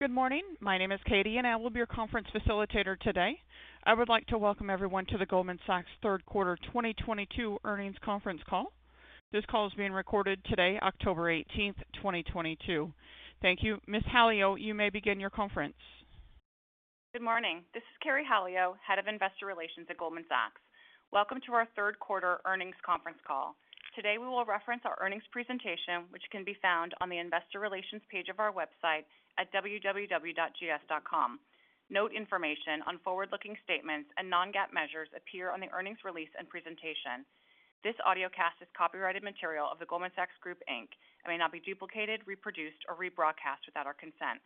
Good morning. My name is Katie, and I will be your conference facilitator today. I would like to welcome everyone to the Goldman Sachs third quarter 2022 earnings conference call. This call is being recorded today, October 18, 2022. Thank you. Ms. Halio, you may begin your conference. Good morning. This is Carey Halio, Head of Investor Relations at Goldman Sachs. Welcome to our third quarter earnings conference call. Today, we will reference our earnings presentation, which can be found on the investor relations page of our website at www.gs.com. Note information on forward-looking statements and non-GAAP measures appear on the earnings release and presentation. This audiocast is copyrighted material of The Goldman Sachs Group, Inc. may not be duplicated, reproduced, or rebroadcast without our consent.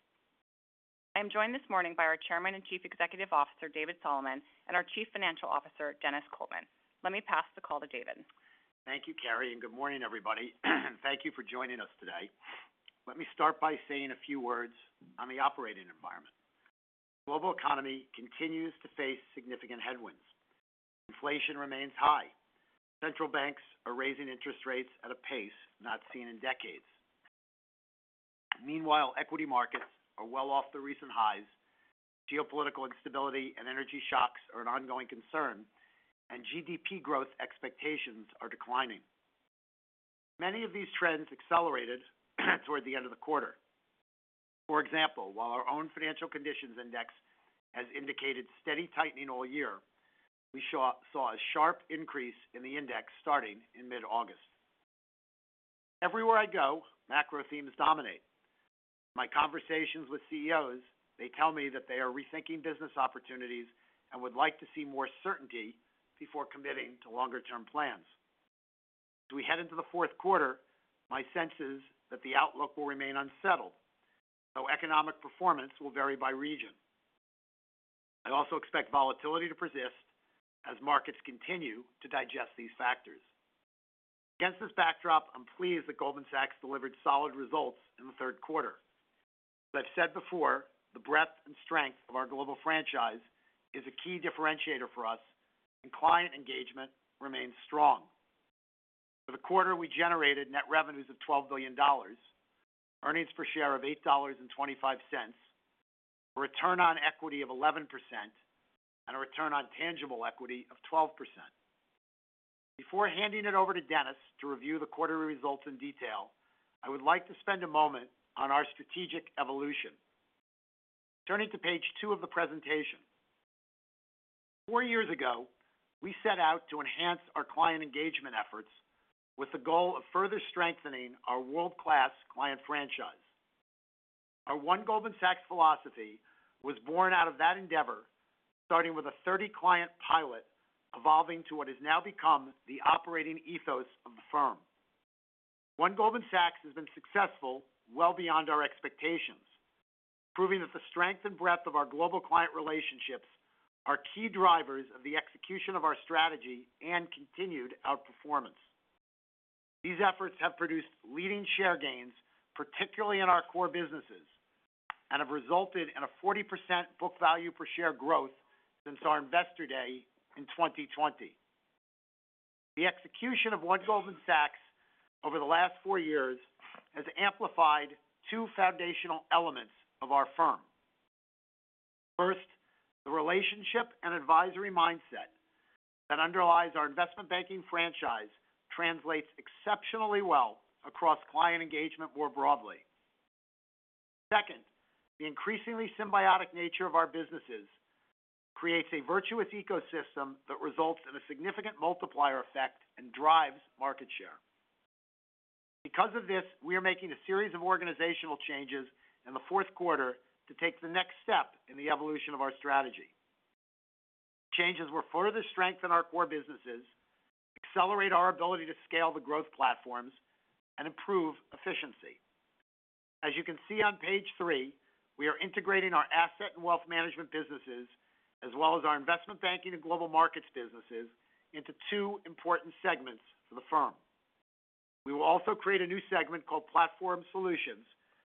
I'm joined this morning by our Chairman and Chief Executive Officer, David Solomon, and our Chief Financial Officer, Denis Coleman. Let me pass the call to David. Thank you, Carrie, and good morning, everybody. Thank you for joining us today. Let me start by saying a few words on the operating environment. The global economy continues to face significant headwinds. Inflation remains high. Central banks are raising interest rates at a pace not seen in decades. Meanwhile, equity markets are well off the recent highs. Geopolitical instability and energy shocks are an ongoing concern, and GDP growth expectations are declining. Many of these trends accelerated toward the end of the quarter. For example, while our own financial conditions index has indicated steady tightening all year, we saw a sharp increase in the index starting in mid-August. Everywhere I go, macro themes dominate. My conversations with CEOs, they tell me that they are rethinking business opportunities and would like to see more certainty before committing to longer term plans. As we head into the fourth quarter, my sense is that the outlook will remain unsettled, so economic performance will vary by region. I'd also expect volatility to persist as markets continue to digest these factors. Against this backdrop, I'm pleased that Goldman Sachs delivered solid results in the third quarter. As I've said before, the breadth and strength of our global franchise is a key differentiator for us, and client engagement remains strong. For the quarter, we generated net revenues of $12 billion, earnings per share of $8.25, a return on equity of 11%, and a return on tangible equity of 12%. Before handing it over to Dennis to review the quarterly results in detail, I would like to spend a moment on our strategic evolution. Turning to page two of the presentation. Four years ago, we set out to enhance our client engagement efforts with the goal of further strengthening our world-class client franchise. Our One Goldman Sachs philosophy was born out of that endeavor, starting with a 30-client pilot, evolving to what has now become the operating ethos of the firm. One Goldman Sachs has been successful well beyond our expectations, proving that the strength and breadth of our global client relationships are key drivers of the execution of our strategy and continued outperformance. These efforts have produced leading share gains, particularly in our core businesses, and have resulted in a 40% book value per share growth since our Investor Day in 2020. The execution of One Goldman Sachs over the last four years has amplified two foundational elements of our firm. First, the relationship and advisory mindset that underlies our investment banking franchise translates exceptionally well across client engagement more broadly. Second, the increasingly symbiotic nature of our businesses creates a virtuous ecosystem that results in a significant multiplier effect and drives market share. Because of this, we are making a series of organizational changes in the fourth quarter to take the next step in the evolution of our strategy. Changes will further strengthen our core businesses, accelerate our ability to scale the growth platforms, and improve efficiency. As you can see on page three, we are integrating our asset and wealth management businesses, as well as our investment banking and global markets businesses into two important segments for the firm. We will also create a new segment called Platform Solutions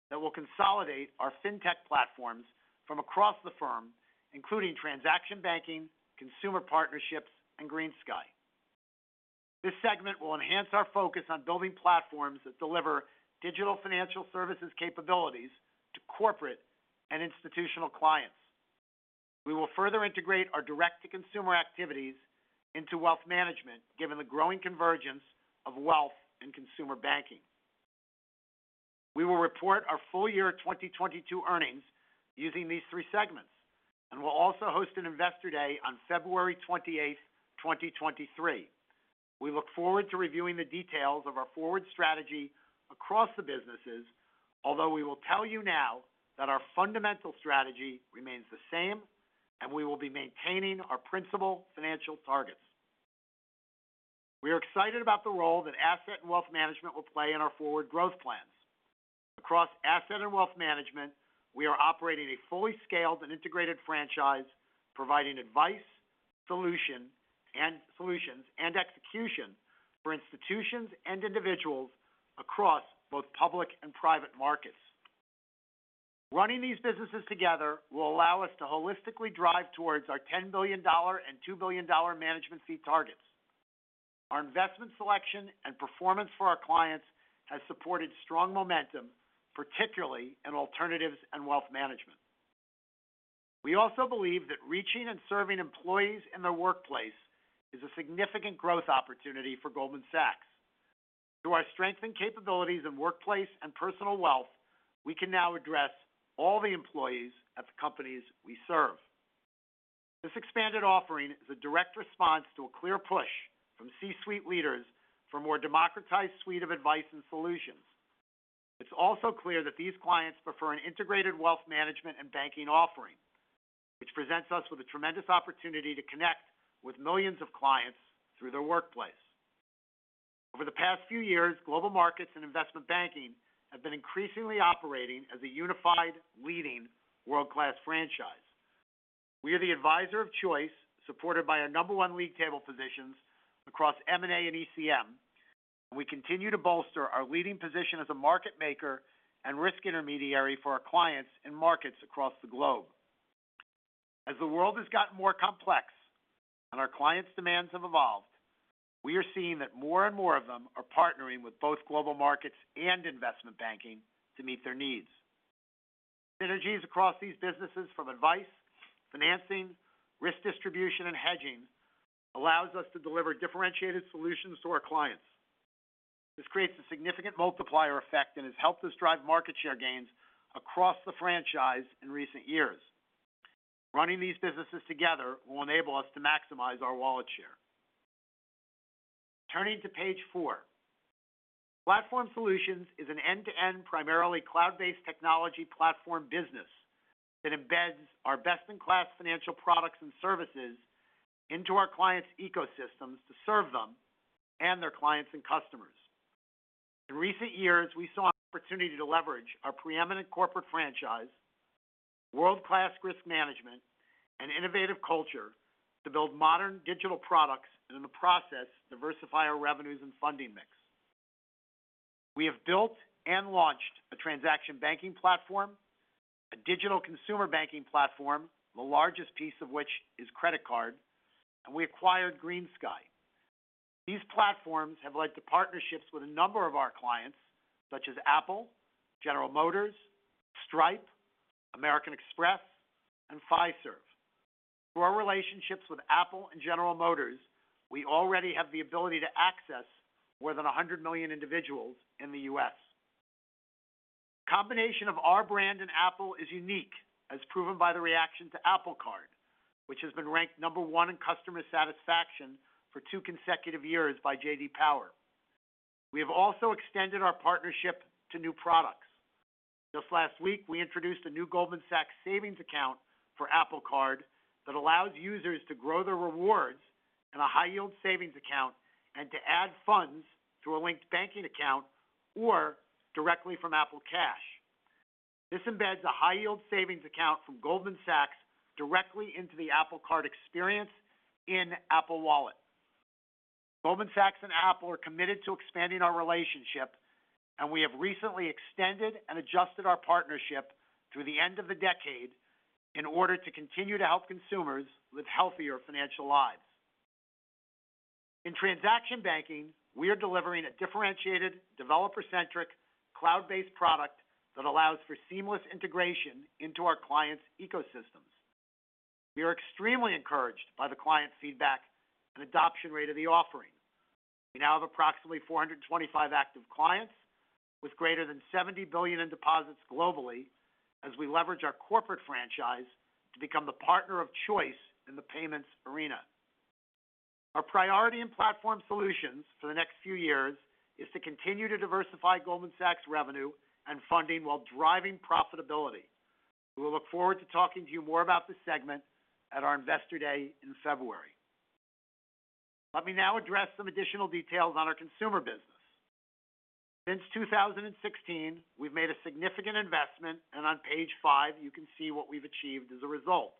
that will consolidate our fintech platforms from across the firm, including transaction banking, consumer partnerships, and GreenSky. This segment will enhance our focus on building platforms that deliver digital financial services capabilities to corporate and institutional clients. We will further integrate our direct-to-consumer activities into wealth management, given the growing convergence of wealth and consumer banking. We will report our full year 2022 earnings using these three segments, and we'll also host an investor day on February 28th, 2023. We look forward to reviewing the details of our forward strategy across the businesses, although we will tell you now that our fundamental strategy remains the same and we will be maintaining our principal financial targets. We are excited about the role that asset and wealth management will play in our forward growth plans. Across asset and wealth management, we are operating a fully scaled and integrated franchise, providing advice, solutions, and execution for institutions and individuals across both public and private markets. Running these businesses together will allow us to holistically drive towards our $10 billion and $2 billion management fee targets. Our investment selection and performance for our clients has supported strong momentum, particularly in alternatives and wealth management. We also believe that reaching and serving employees in their workplace is a significant growth opportunity for Goldman Sachs. Through our strength and capabilities in workplace and personal wealth, we can now address all the employees at the companies we serve. This expanded offering is a direct response to a clear push from C-suite leaders for more democratized suite of advice and solutions. It's also clear that these clients prefer an integrated wealth management and banking offering, which presents us with a tremendous opportunity to connect with millions of clients through their workplace. Over the past few years, global markets and investment banking have been increasingly operating as a unified, leading world-class franchise. We are the advisor of choice, supported by our number one league table positions across M&A and ECM. We continue to bolster our leading position as a market maker and risk intermediary for our clients in markets across the globe. As the world has gotten more complex and our clients' demands have evolved, we are seeing that more and more of them are partnering with both Global Markets and Investment Banking to meet their needs. Synergies across these businesses from advice, financing, risk distribution, and hedging allows us to deliver differentiated solutions to our clients. This creates a significant multiplier effect and has helped us drive market share gains across the franchise in recent years. Running these businesses together will enable us to maximize our wallet share. Turning to page four. Platform Solutions is an end-to-end, primarily cloud-based technology platform business that embeds our best-in-class financial products and services into our clients' ecosystems to serve them and their clients and customers. In recent years, we saw an opportunity to leverage our preeminent corporate franchise, world-class risk management, and innovative culture to build modern digital products and in the process, diversify our revenues and funding mix. We have built and launched a transaction banking platform, a digital consumer banking platform, the largest piece of which is credit card, and we acquired GreenSky. These platforms have led to partnerships with a number of our clients, such as Apple, General Motors, Stripe, American Express, and Fiserv. Through our relationships with Apple and General Motors, we already have the ability to access more than 100 million individuals in the US. Combination of our brand and Apple is unique, as proven by the reaction to Apple Card, which has been ranked number one in customer satisfaction for two consecutive years by J.D. Power. We have also extended our partnership to new products. Just last week, we introduced a new Goldman Sachs savings account for Apple Card that allows users to grow their rewards in a high-yield savings account and to add funds through a linked banking account or directly from Apple Cash. This embeds a high-yield savings account from Goldman Sachs directly into the Apple Card experience in Apple Wallet. Goldman Sachs and Apple are committed to expanding our relationship, and we have recently extended and adjusted our partnership through the end of the decade in order to continue to help consumers live healthier financial lives. In transaction banking, we are delivering a differentiated, developer-centric, cloud-based product that allows for seamless integration into our clients' ecosystems. We are extremely encouraged by the client feedback and adoption rate of the offering. We now have approximately 425 active clients with greater than $70 billion in deposits globally as we leverage our corporate franchise to become the partner of choice in the payments arena. Our priority in Platform Solutions for the next few years is to continue to diversify Goldman Sachs revenue and funding while driving profitability. We look forward to talking to you more about this segment at our Investor Day in February. Let me now address some additional details on our consumer business. Since 2016, we've made a significant investment, and on page five, you can see what we've achieved as a result.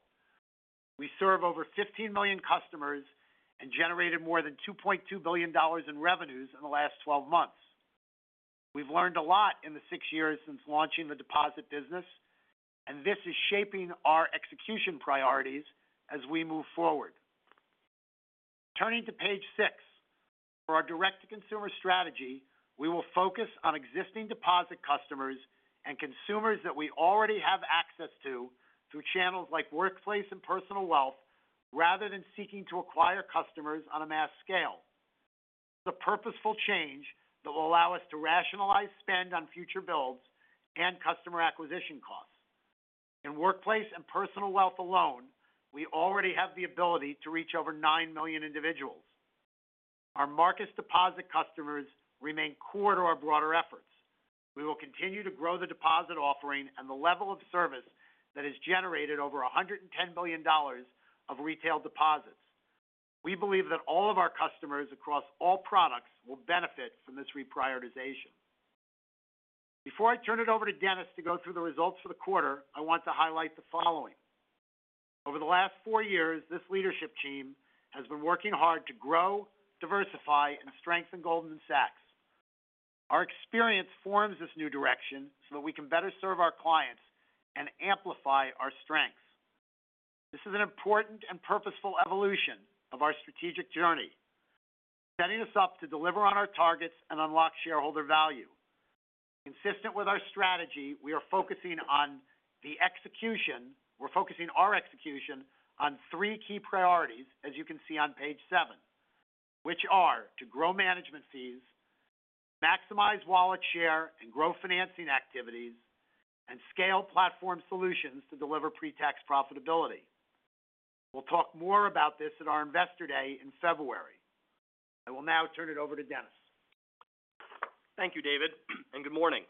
We serve over 15 million customers and generated more than $2.2 billion in revenues in the last 12 months. We've learned a lot in the six years since launching the deposit business, and this is shaping our execution priorities as we move forward. Turning to page six. For our direct-to-consumer strategy, we will focus on existing deposit customers and consumers that we already have access to through channels like workplace and personal wealth, rather than seeking to acquire customers on a mass scale. It's a purposeful change that will allow us to rationalize spend on future builds and customer acquisition costs. In workplace and personal wealth alone, we already have the ability to reach over 9 million individuals. Our Marcus deposit customers remain core to our broader efforts. We will continue to grow the deposit offering and the level of service that has generated over $110 billion of retail deposits. We believe that all of our customers across all products will benefit from this reprioritization. Before I turn it over to Denis to go through the results for the quarter, I want to highlight the following. Over the last four years, this leadership team has been working hard to grow, diversify, and strengthen Goldman Sachs. Our experience forms this new direction so that we can better serve our clients and amplify our strengths. This is an important and purposeful evolution of our strategic journey, setting us up to deliver on our targets and unlock shareholder value. Consistent with our strategy, we are focusing on the execution. We're focusing our execution on three key priorities, as you can see on page seven, which are to grow management fees, maximize wallet share, and grow financing activities, and scale Platform Solutions to deliver pre-tax profitability. We'll talk more about this at our Investor Day in February. I will now turn it over to Denis. Thank you, David, and good morning.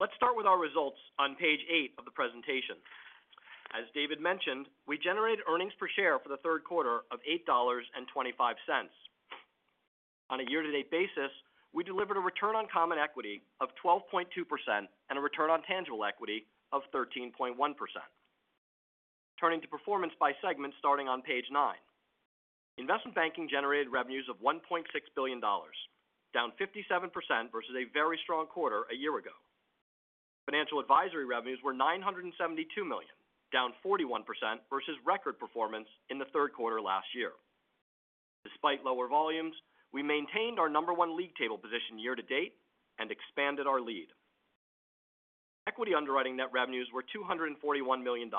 Let's start with our results on page eight of the presentation. As David mentioned, we generated earnings per share for the third quarter of $8.25. On a year-to-date basis, we delivered a return on common equity of 12.2% and a return on tangible equity of 13.1%. Turning to performance by segment starting on page nine. Investment banking generated revenues of $1.6 billion, down 57% versus a very strong quarter a year ago. Financial advisory revenues were $972 million, down 41% versus record performance in the third quarter last year. Despite lower volumes, we maintained our number one league table position year to date and expanded our lead. Equity underwriting net revenues were $241 million,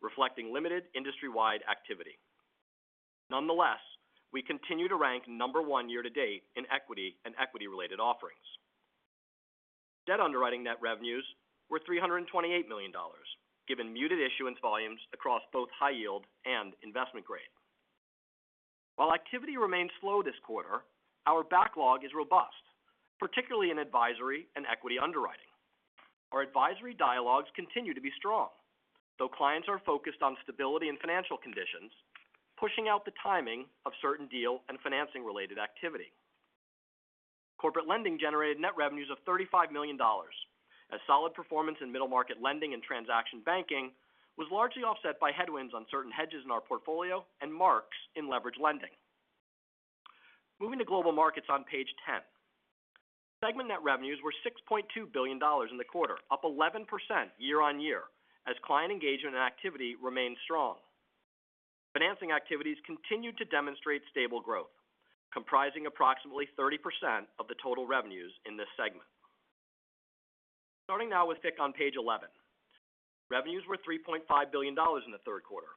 reflecting limited industry-wide activity. Nonetheless, we continue to rank number one year to date in equity and equity-related offerings. Debt underwriting net revenues were $328 million, given muted issuance volumes across both high yield and investment grade. While activity remained slow this quarter, our backlog is robust, particularly in advisory and equity underwriting. Our advisory dialogues continue to be strong, though clients are focused on stability and financial conditions, pushing out the timing of certain deal and financing-related activity. Corporate lending generated net revenues of $35 million. A solid performance in middle market lending and transaction banking was largely offset by headwinds on certain hedges in our portfolio and marks in leverage lending. Moving to global markets on page 10. Segment net revenues were $6.2 billion in the quarter, up 11% year-on-year as client engagement and activity remained strong. Financing activities continued to demonstrate stable growth, comprising approximately 30% of the total revenues in this segment. Starting now with FICC on page 11. Revenues were $3.5 billion in the third quarter,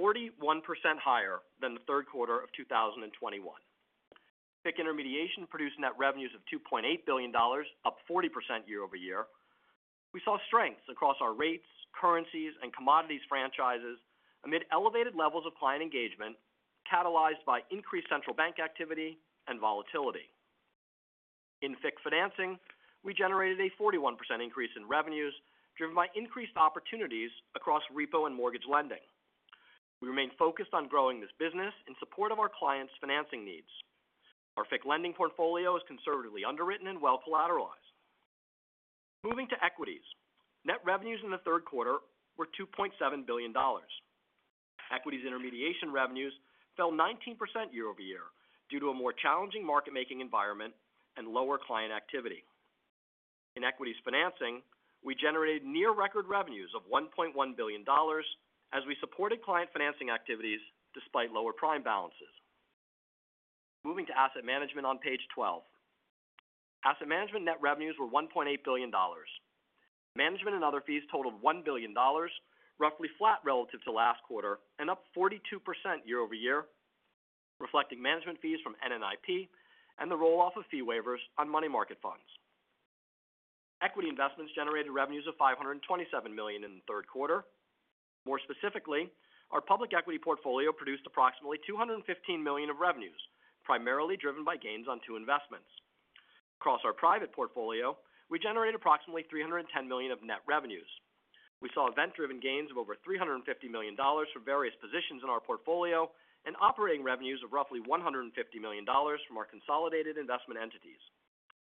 41% higher than the third quarter of 2021. FICC intermediation produced net revenues of $2.8 billion, up 40% year-over-year. We saw strengths across our rates, currencies, and commodities franchises amid elevated levels of client engagement, catalyzed by increased central bank activity and volatility. In FICC financing, we generated a 41% increase in revenues driven by increased opportunities across repo and mortgage lending. We remain focused on growing this business in support of our clients' financing needs. Our FICC lending portfolio is conservatively underwritten and well collateralized. Moving to equities. Net revenues in the third quarter were $2.7 billion. Equities intermediation revenues fell 19% year-over-year due to a more challenging market making environment and lower client activity. In equities financing, we generated near record revenues of $1.1 billion as we supported client financing activities despite lower prime balances. Moving to asset management on page 12. Asset management net revenues were $1.8 billion. Management and other fees totaled $1 billion, roughly flat relative to last quarter and up 42% year-over-year, reflecting management fees from NNIP and the roll-off of fee waivers on money market funds. Equity investments generated revenues of $527 million in the third quarter. More specifically, our public equity portfolio produced approximately $215 million of revenues, primarily driven by gains on two investments. Across our private portfolio, we generated approximately $310 million of net revenues. We saw event-driven gains of over $350 million for various positions in our portfolio and operating revenues of roughly $150 million from our consolidated investment entities.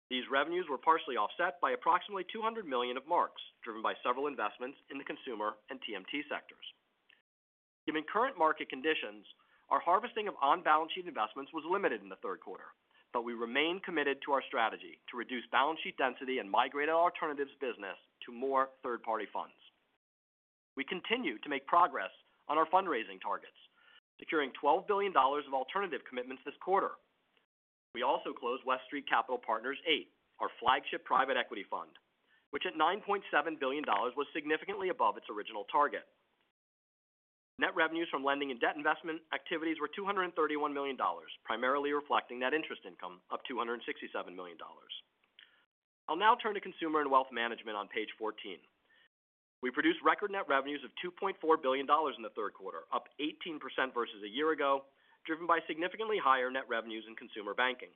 These revenues were partially offset by approximately $200 million of marks driven by several investments in the consumer and TMT sectors. Given current market conditions, our harvesting of on-balance sheet investments was limited in the third quarter, but we remain committed to our strategy to reduce balance sheet density and migrate our alternatives business to more third-party funds. We continue to make progress on our fundraising targets, securing $12 billion of alternative commitments this quarter. We also closed West Street Capital Partners VIII, our flagship private equity fund, which at $9.7 billion was significantly above its original target. Net revenues from lending and debt investment activities were $231 million, primarily reflecting net interest income up to $267 million. I'll now turn to consumer and wealth management on page 14. We produced record net revenues of $2.4 billion in the third quarter, up 18% versus a year ago, driven by significantly higher net revenues in consumer banking.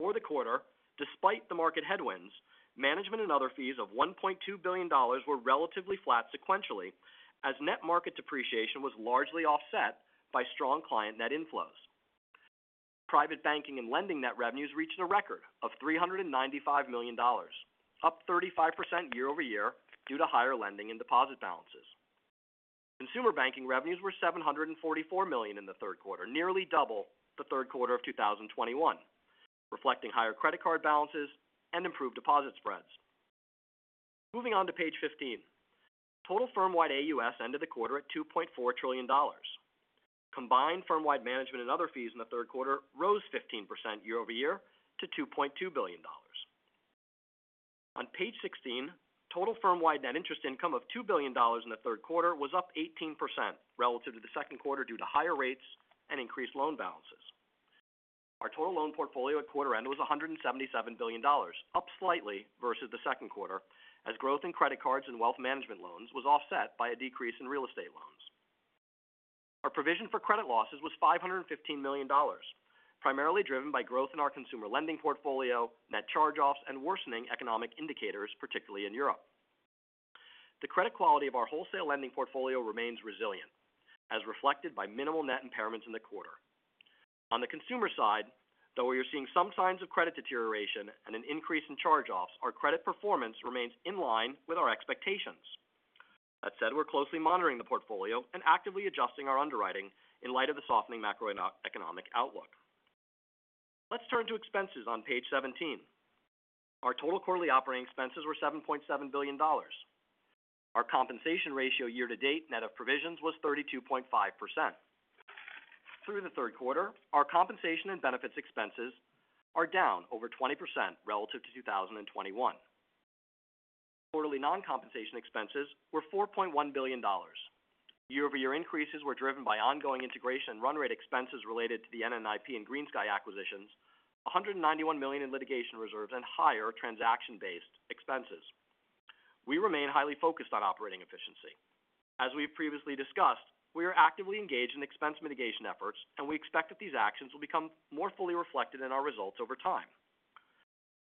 For the quarter, despite the market headwinds, management and other fees of $1.2 billion were relatively flat sequentially as net market depreciation was largely offset by strong client net inflows. Private banking and lending net revenues reached a record of $395 million, up 35% year-over-year due to higher lending and deposit balances. Consumer banking revenues were $744 million in the third quarter, nearly double the third quarter of 2021. Reflecting higher credit card balances and improved deposit spreads. Moving on to page 15. Total firm-wide AUS ended the quarter at $2.4 trillion. Combined firm-wide management and other fees in the third quarter rose 15% year-over-year to $2.2 billion. On page 16, total firm-wide net interest income of $2 billion in the third quarter was up 18% relative to the second quarter due to higher rates and increased loan balances. Our total loan portfolio at quarter end was $177 billion, up slightly versus the second quarter as growth in credit cards and wealth management loans was offset by a decrease in real estate loans. Our provision for credit losses was $515 million, primarily driven by growth in our consumer lending portfolio, net charge-offs, and worsening economic indicators, particularly in Europe. The credit quality of our wholesale lending portfolio remains resilient, as reflected by minimal net impairments in the quarter. On the consumer side, though we are seeing some signs of credit deterioration and an increase in charge-offs, our credit performance remains in line with our expectations. That said, we're closely monitoring the portfolio and actively adjusting our underwriting in light of the softening macroeconomic outlook. Let's turn to expenses on page 17. Our total quarterly operating expenses were $7.7 billion. Our compensation ratio year to date net of provisions was 32.5%. Through the third quarter, our compensation and benefits expenses are down over 20% relative to 2021. Quarterly non-compensation expenses were $4.1 billion. Year-over-year increases were driven by ongoing integration and run rate expenses related to the NNIP and GreenSky acquisitions, $191 million in litigation reserves and higher transaction-based expenses. We remain highly focused on operating efficiency. As we've previously discussed, we are actively engaged in expense mitigation efforts, and we expect that these actions will become more fully reflected in our results over time.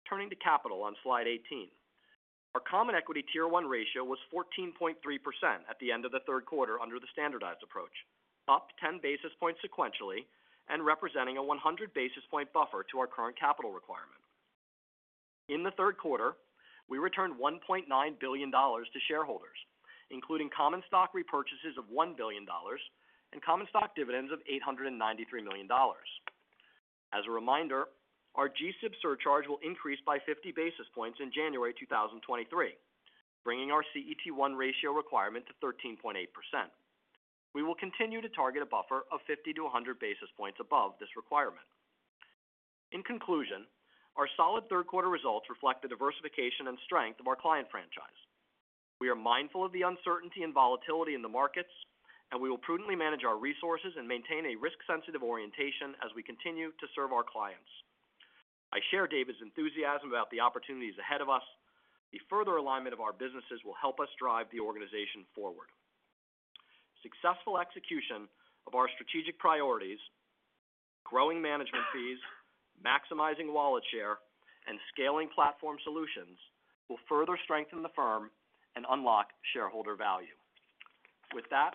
Turning to capital on slide 18. Our common equity tier one ratio was 14.3% at the end of the third quarter under the standardized approach, up 10 basis points sequentially and representing a 100 basis point buffer to our current capital requirement. In the third quarter, we returned $1.9 billion to shareholders, including common stock repurchases of $1 billion and common stock dividends of $893 million. As a reminder, our GSIB surcharge will increase by 50 basis points in January 2023, bringing our CET1 ratio requirement to 13.8%. We will continue to target a buffer of 50 to 100 basis points above this requirement. In conclusion, our solid third quarter results reflect the diversification and strength of our client franchise. We are mindful of the uncertainty and volatility in the markets, and we will prudently manage our resources and maintain a risk-sensitive orientation as we continue to serve our clients. I share David's enthusiasm about the opportunities ahead of us. The further alignment of our businesses will help us drive the organization forward. Successful execution of our strategic priorities, growing management fees, maximizing wallet share, and scaling Platform Solutions will further strengthen the firm and unlock shareholder value. With that,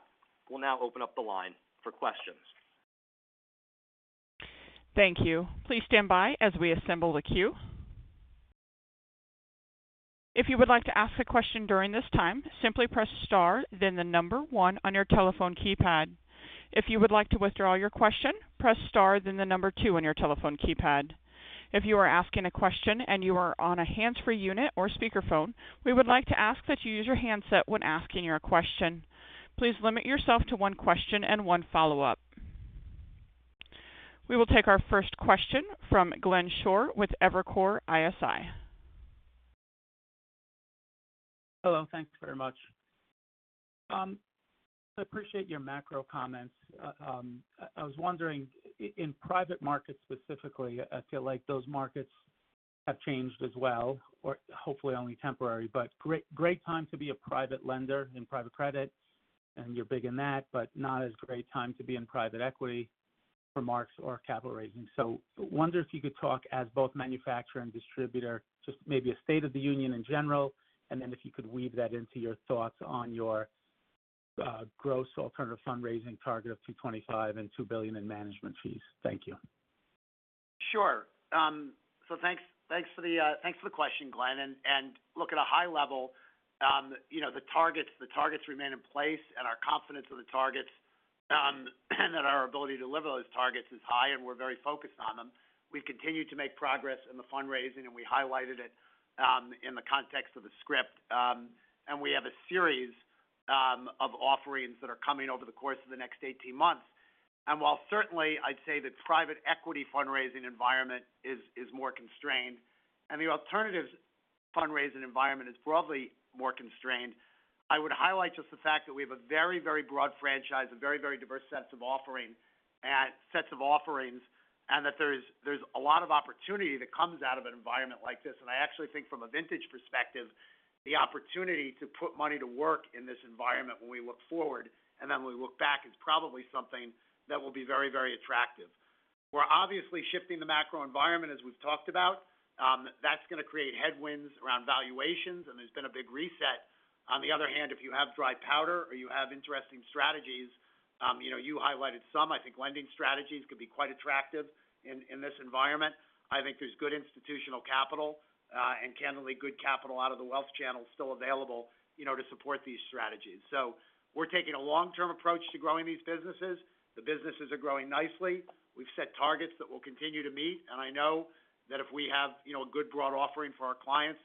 we'll now open up the line for questions. Thank you. Please stand by as we assemble the queue. If you would like to ask a question during this time, simply press star, then the number one on your telephone keypad. If you would like to withdraw your question, press star, then the number two on your telephone keypad. If you are asking a question and you are on a hands-free unit or speakerphone, we would like to ask that you use your handset when asking your question. Please limit yourself to one question and one follow-up. We will take our first question from Glenn Schorr with Evercore ISI. Hello. Thanks very much. I appreciate your macro comments. I was wondering in private markets specifically. I feel like those markets have changed as well or hopefully only temporary, but great time to be a private lender in private credit, and you're big in that, but not as great time to be in private equity markets or capital raising. Wonder if you could talk as both manufacturer and distributor, just maybe a state of the union in general, and then if you could weave that into your thoughts on your GS alternative fundraising target of $225 billion and $2 billion in management fees. Thank you. Sure. So thanks for the question, Glenn. Look at a high level, you know, the targets remain in place and our confidence in the targets and our ability to deliver those targets is high, and we're very focused on them. We've continued to make progress in the fundraising, and we highlighted it in the context of the script. We have a series of offerings that are coming over the course of the next 18 months. While certainly I'd say the private equity fundraising environment is more constrained and the alternatives fundraising environment is broadly more constrained, I would highlight just the fact that we have a very, very broad franchise, a very, very diverse sets of offerings, and that there's a lot of opportunity that comes out of an environment like this. I actually think from a vintage perspective, the opportunity to put money to work in this environment when we look forward and then we look back is probably something that will be very, very attractive. We're obviously shifting the macro environment, as we've talked about. That's going to create headwinds around valuations, and there's been a big reset. On the other hand, if you have dry powder or you have interesting strategies, you know, you highlighted some. I think lending strategies could be quite attractive in this environment. I think there's good institutional capital and candidly good capital out of the wealth channel still available, you know, to support these strategies. We're taking a long-term approach to growing these businesses. The businesses are growing nicely. We've set targets that we'll continue to meet. I know that if we have, you know, a good broad offering for our clients.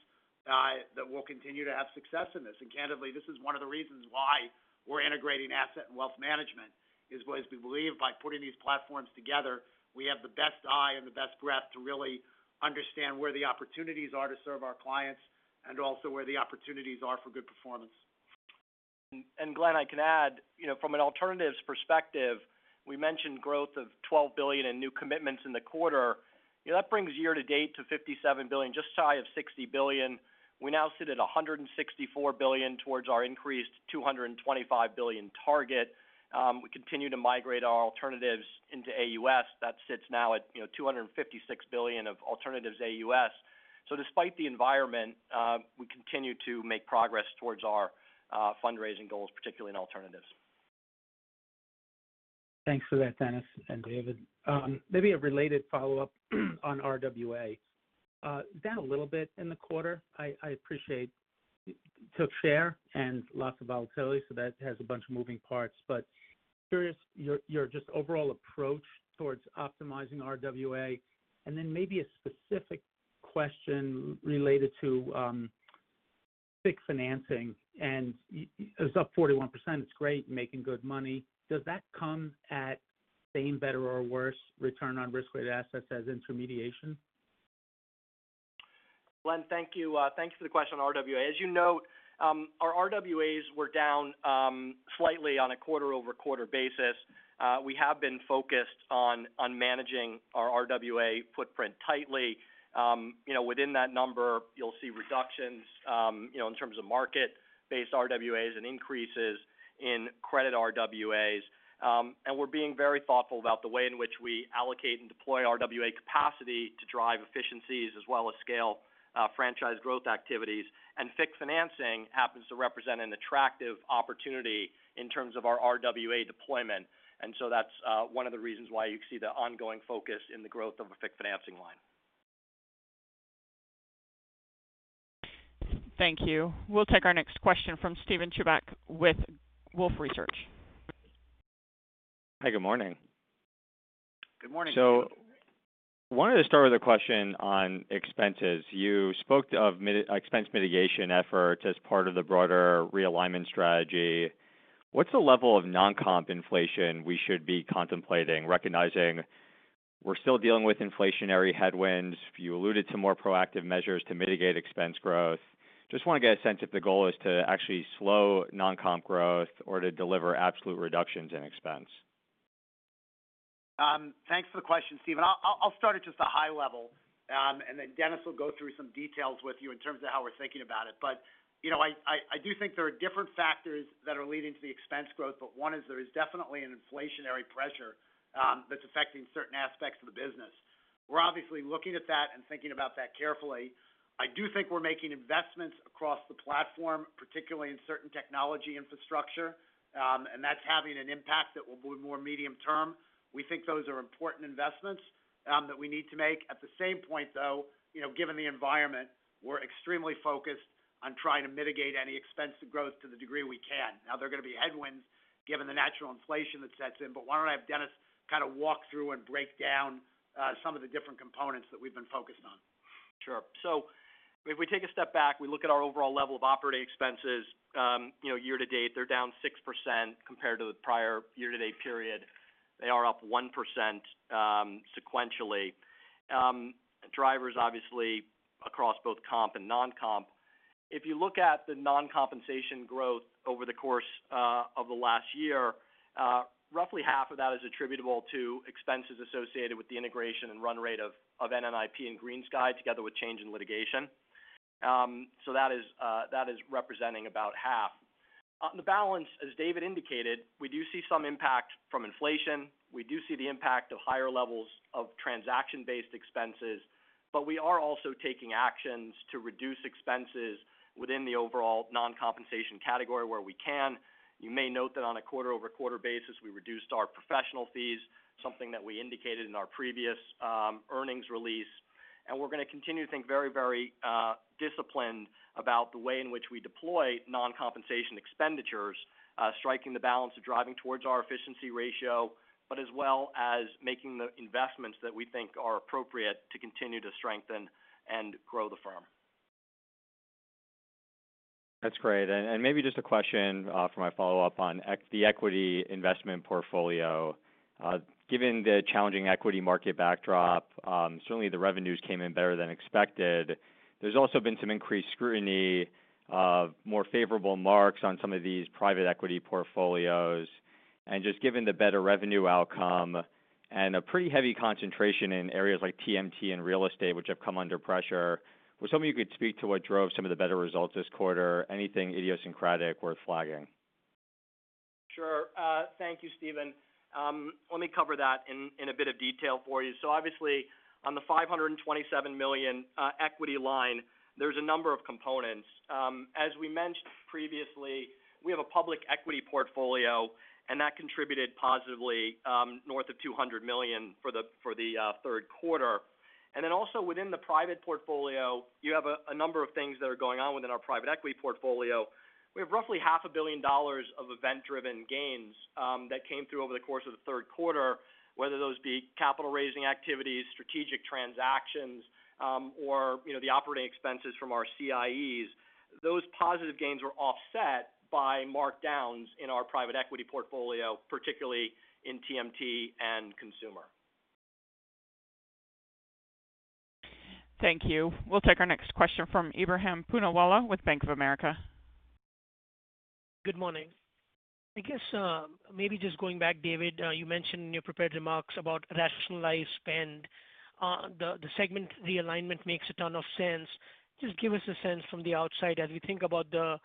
that we'll continue to have success in this. Candidly, this is one of the reasons why we're integrating asset and wealth management is, whereas we believe by putting these platforms together, we have the best eye and the best breadth to really understand where the opportunities are to serve our clients and also where the opportunities are for good performance. Glenn, I can add, you know, from an alternatives perspective, we mentioned growth of $12 billion in new commitments in the quarter. You know, that brings year-to-date to $57 billion, just shy of $60 billion. We now sit at $164 billion towards our increased $225 billion target. We continue to migrate our alternatives into AUS that sits now at, you know, $256 billion of alternatives AUS. Despite the environment, we continue to make progress towards our fundraising goals, particularly in alternatives. Thanks for that, Denis and David. Maybe a related follow-up on RWA. Down a little bit in the quarter, I appreciate took share and lots of volatility, so that has a bunch of moving parts. Curious your just overall approach towards optimizing RWA. Then maybe a specific question related to fixed financing, and it was up 41%. It's great making good money. Does that come at same, better or worse return on risk-weighted assets as intermediation? Glenn, thank you. Thanks for the question on RWA. As you note, our RWAs were down slightly on a quarter-over-quarter basis. We have been focused on managing our RWA footprint tightly. You know, within that number, you'll see reductions, you know, in terms of market-based RWAs and increases in credit RWAs. We're being very thoughtful about the way in which we allocate and deploy RWA capacity to drive efficiencies as well as scale franchise growth activities. Fixed financing happens to represent an attractive opportunity in terms of our RWA deployment. That's one of the reasons why you see the ongoing focus in the growth of a fixed financing line. Thank you. We'll take our next question from Steven Chubak with Wolfe Research. Hi, good morning. Good morning. I wanted to start with a question on expenses. You spoke of expense mitigation efforts as part of the broader realignment strategy. What's the level of non-comp inflation we should be contemplating, recognizing we're still dealing with inflationary headwinds? You alluded to more proactive measures to mitigate expense growth. Just wanna get a sense if the goal is to actually slow non-comp growth or to deliver absolute reductions in expense. Thanks for the question, Steven. I'll start at just a high level. Dennis will go through some details with you in terms of how we're thinking about it. You know, I do think there are different factors that are leading to the expense growth, but one is there is definitely an inflationary pressure that's affecting certain aspects of the business. We're obviously looking at that and thinking about that carefully. I do think we're making investments across the platform, particularly in certain technology infrastructure, and that's having an impact that will be more medium-term. We think those are important investments that we need to make. At the same point, though, you know, given the environment, we're extremely focused on trying to mitigate any expense growth to the degree we can. Now there are gonna be headwinds given the natural inflation that sets in. Why don't I have Denis kind of walk through and break down some of the different components that we've been focused on? Sure. If we take a step back, we look at our overall level of operating expenses. You know, year-to-date, they're down 6% compared to the prior year-to-date period. They are up 1%, sequentially. Drivers obviously across both comp and non-comp. If you look at the non-compensation growth over the course of the last year, roughly half of that is attributable to expenses associated with the integration and run rate of NNIP and GreenSky together with change in litigation. That is representing about half. On the balance, as David indicated, we do see some impact from inflation. We do see the impact of higher levels of transaction-based expenses. But we are also taking actions to reduce expenses within the overall non-compensation category where we can. You may note that on a quarter-over-quarter basis, we reduced our professional fees, something that we indicated in our previous earnings release. We're gonna continue to think very disciplined about the way in which we deploy non-compensation expenditures, striking the balance of driving towards our efficiency ratio, but as well as making the investments that we think are appropriate to continue to strengthen and grow the firm. That's great. Maybe just a question for my follow-up on the equity investment portfolio. Given the challenging equity market backdrop, certainly the revenues came in better than expected. There's also been some increased scrutiny of more favorable marks on some of these private equity portfolios. Just given the better revenue outcome and a pretty heavy concentration in areas like TMT and real estate, which have come under pressure, was hoping you could speak to what drove some of the better results this quarter. Anything idiosyncratic worth flagging? Sure. Thank you, Steven. Let me cover that in a bit of detail for you. Obviously, on the $527 million equity line, there's a number of components. As we mentioned previously, we have a public equity portfolio, and that contributed positively, north of $200 million for the third quarter. Also within the private portfolio, you have a number of things that are going on within our private equity portfolio. We have roughly $0.5 billion of event-driven gains that came through over the course of the third quarter, whether those be capital raising activities. Strategic transactions, you know, the operating expenses from our CIES. Those positive gains were offset by markdowns in our private equity portfolio, particularly in TMT and consumer. Thank you. We'll take our next question from Ebrahim Poonawala with Bank of America. Good morning. I guess, maybe just going back, David, you mentioned in your prepared remarks about rationalized spend. The segment realignment makes a ton of sense. Just give us a sense from the outside as we think about the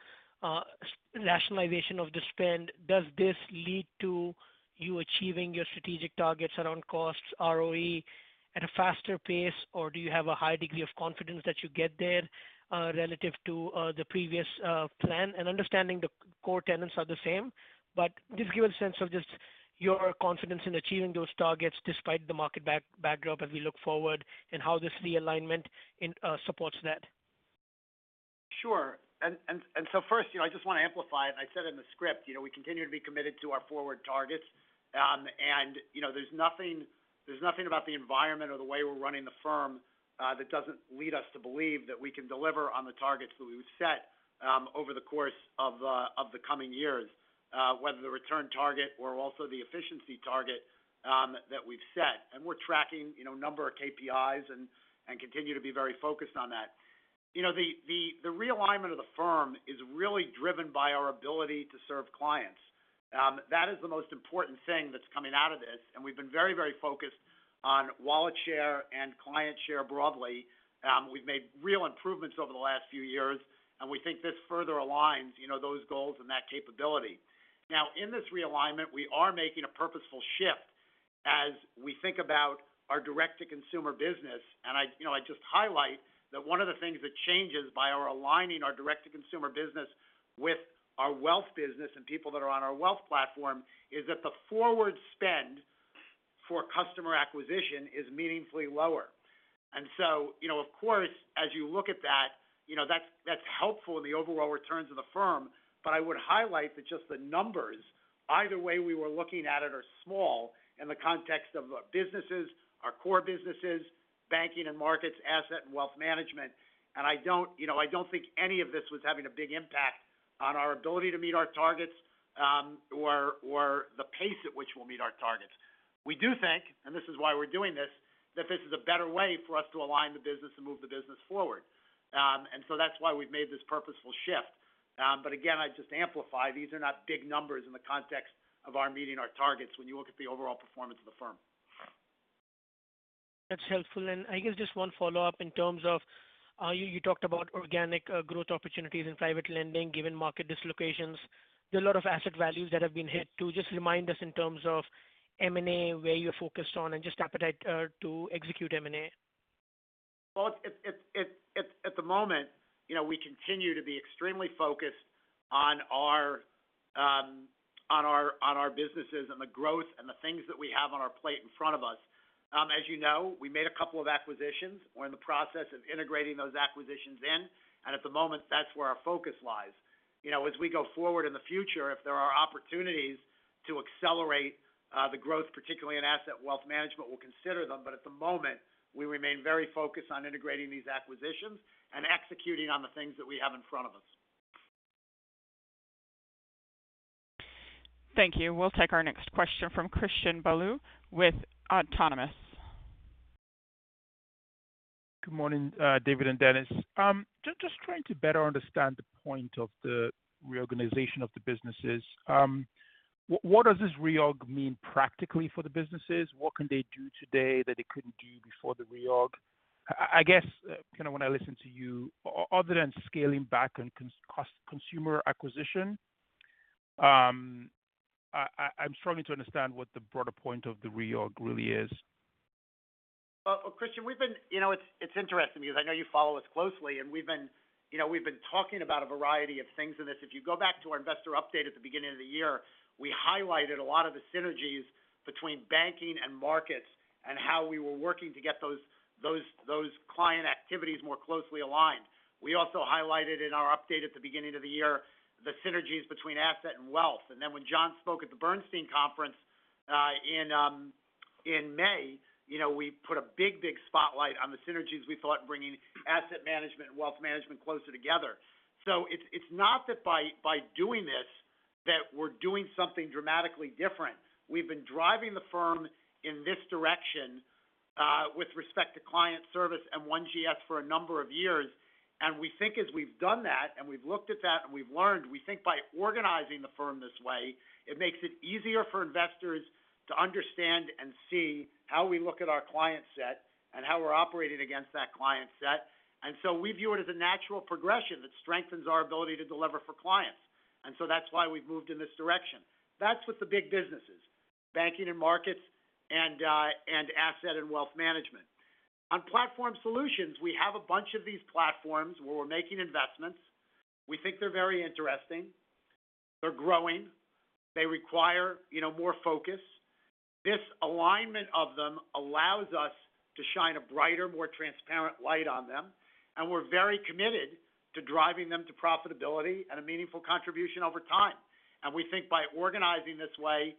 rationalization of the spend. Does this lead to you achieving your strategic targets around costs, ROE at a faster pace, or do you have a high degree of confidence that you get there relative to the previous plan? Understanding the core tenets are the same. Just give a sense of your confidence in achieving those targets despite the market backdrop as we look forward and how this realignment supports that. Sure. First, you know, I just want to amplify it. I said in the script, you know, we continue to be committed to our forward targets. You know, there's nothing about the environment or the way we're running the firm that doesn't lead us to believe that we can deliver on the targets that we've set over the course of the coming years, whether the return target or also the efficiency target that we've set. We're tracking, you know, a number of KPIs and continue to be very focused on that. You know, the realignment of the firm is really driven by our ability to serve clients. That is the most important thing that's coming out of this. We've been very, very focused on wallet share and client share broadly. We've made real improvements over the last few years, and we think this further aligns, you know, those goals and that capability. Now, in this realignment, we are making a purposeful shift as we think about our direct-to-consumer business. I, you know, I just highlight that one of the things that changes by our aligning our direct-to-consumer business with our wealth business and people that are on our wealth platform is that the forward spend for customer acquisition is meaningfully lower. You know, of course, as you look at that, you know, that's helpful in the overall returns of the firm. I would highlight that just the numbers, either way we were looking at it are small in the context of our businesses, our core businesses, banking and markets, asset and wealth management. I don't, you know, I don't think any of this was having a big impact on our ability to meet our targets, or the pace at which we'll meet our targets. We do think, and this is why we're doing this, that this is a better way for us to align the business and move the business forward. That's why we've made this purposeful shift. Again, I just amplify, these are not big numbers in the context of our meeting our targets when you look at the overall performance of the firm. That's helpful. I guess just one follow-up in terms of, you talked about organic growth opportunities in private lending given market dislocations. There are a lot of asset values that have been hit too. Just remind us in terms of M&A, where you're focused on and just appetite, to execute M&A. Well, at the moment, you know, we continue to be extremely focused on our businesses and the growth and the things that we have on our plate in front of us. As you know, we made a couple of acquisitions. We're in the process of integrating those acquisitions, and at the moment, that's where our focus lies. You know, as we go forward in the future, if there are opportunities to accelerate the growth, particularly in asset wealth management, we'll consider them. At the moment, we remain very focused on integrating these acquisitions and executing on the things that we have in front of us. Thank you. We'll take our next question from Christian Bolu with Autonomous. Good morning, David and Dennis. Just trying to better understand the point of the reorganization of the businesses. What does this reorg mean practically for the businesses? What can they do today that they couldn't do before the reorg? I guess, kind of when I listen to you, other than scaling back on cost consumer acquisition, I'm struggling to understand what the broader point of the reorg really is. Well, Christian, you know, it's interesting because I know you follow us closely, and we've been talking about a variety of things in this. If you go back to our investor update at the beginning of the year, we highlighted a lot of the synergies between banking and markets and how we were working to get those client activities more closely aligned. We also highlighted in our update at the beginning of the year, the synergies between asset and wealth. Then when John spoke at the Bernstein conference in May, you know, we put a big spotlight on the synergies we thought bringing asset management and wealth management closer together. It's not that by doing this that we're doing something dramatically different. We've been driving the firm in this direction with respect to client service and One GS for a number of years. We think as we've done that, and we've looked at that and we've learned, we think by organizing the firm this way, it makes it easier for investors to understand and see how we look at our client set and how we're operating against that client set. We view it as a natural progression that strengthens our ability to deliver for clients. That's why we've moved in this direction. That's with the big businesses, banking and markets and asset and wealth management. On Platform Solutions, we have a bunch of these platforms where we're making investments. We think they're very interesting. They're growing. They require, you know, more focus. This alignment of them allows us to shine a brighter, more transparent light on them. We're very committed to driving them to profitability at a meaningful contribution over time. We think by organizing this way,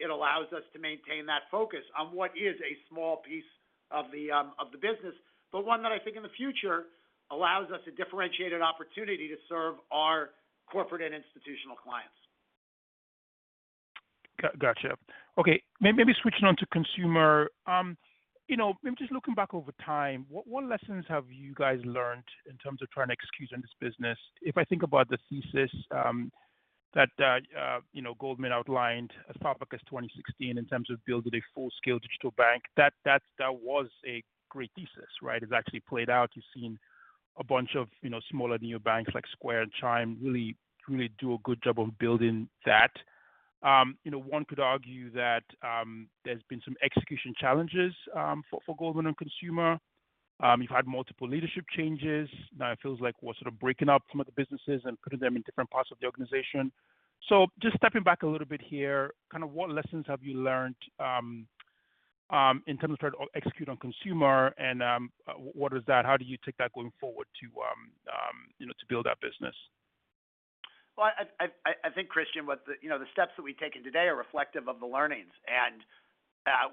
it allows us to maintain that focus on what is a small piece of the business, but one that I think in the future allows us a differentiated opportunity to serve our corporate and institutional clients. Gotcha. Okay. Maybe switching on to consumer, you know, I'm just looking back over time, what lessons have you guys learned in terms of trying to execute on this business? If I think about the thesis, that you know, Goldman outlined as far back as 2016 in terms of building a full-scale digital bank, that was a great thesis, right? It's actually played out. You've seen a bunch of, you know, smaller neo banks like Square and Chime really do a good job of building that. You know, one could argue that there's been some execution challenges for Goldman and Consumer. You've had multiple leadership changes. Now it feels like we're sort of breaking up some of the businesses and putting them in different parts of the organization. Just stepping back a little bit here, kind of what lessons have you learned in terms of trying to execute on consumer? What is that? How do you take that going forward to you know, to build that business? Well, I think Christian, you know, the steps that we've taken today are reflective of the learnings.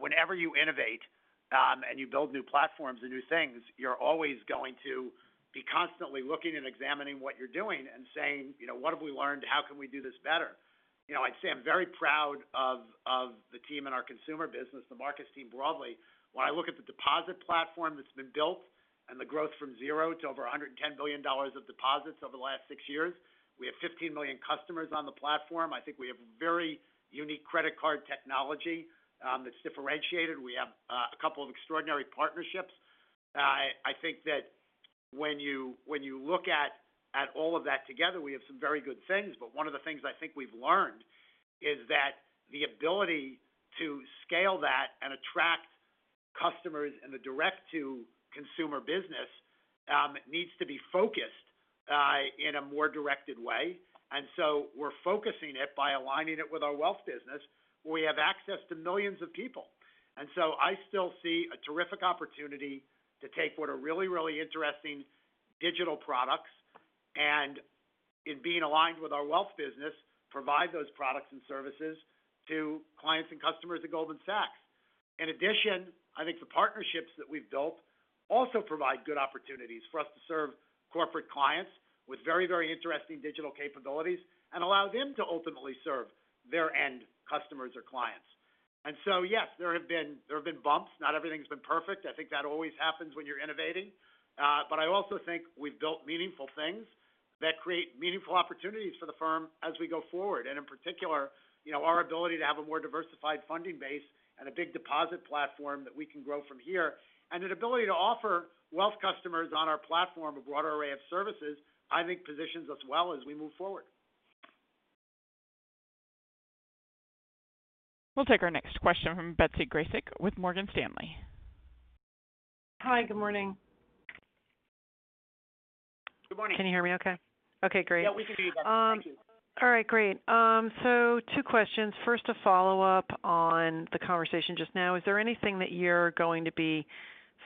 Whenever you innovate, and you build new platforms and new things, you're always going to be constantly looking and examining what you're doing and saying, you know, what have we learned? How can we do this better? You know, I'd say I'm very proud of the team in our consumer business, the Marcus team broadly. When I look at the deposit platform that's been built and the growth from zero to over $110 billion of deposits over the last six years, we have 15 million customers on the platform. I think we have very unique credit card technology that's differentiated. We have a couple of extraordinary partnerships. I think that when you look at all of that together, we have some very good things. One of the things I think we've learned is that the ability to scale that and attract customers in the direct-to-consumer business needs to be focused in a more directed way. We're focusing it by aligning it with our wealth business, where we have access to millions of people. I still see a terrific opportunity to take what are really, really interesting digital products, and in being aligned with our wealth business, provide those products and services to clients and customers at Goldman Sachs. In addition, I think the partnerships that we've built also provide good opportunities for us to serve corporate clients with very, very interesting digital capabilities and allow them to ultimately serve their end customers or clients. Yes, there have been bumps. Not everything's been perfect. I think that always happens when you're innovating. I also think we've built meaningful things that create meaningful opportunities for the firm as we go forward. In particular, you know, our ability to have a more diversified funding base and a big deposit platform that we can grow from here, and an ability to offer wealth customers on our platform a broader array of services, I think positions us well as we move forward. We'll take our next question from Betsy Graseck with Morgan Stanley. Hi, good morning. Good morning. Can you hear me okay? Okay, great. Yeah, we can hear you, Betsy. Thank you. All right, great. Two questions. First, a follow-up on the conversation just now. Is there anything that you're going to be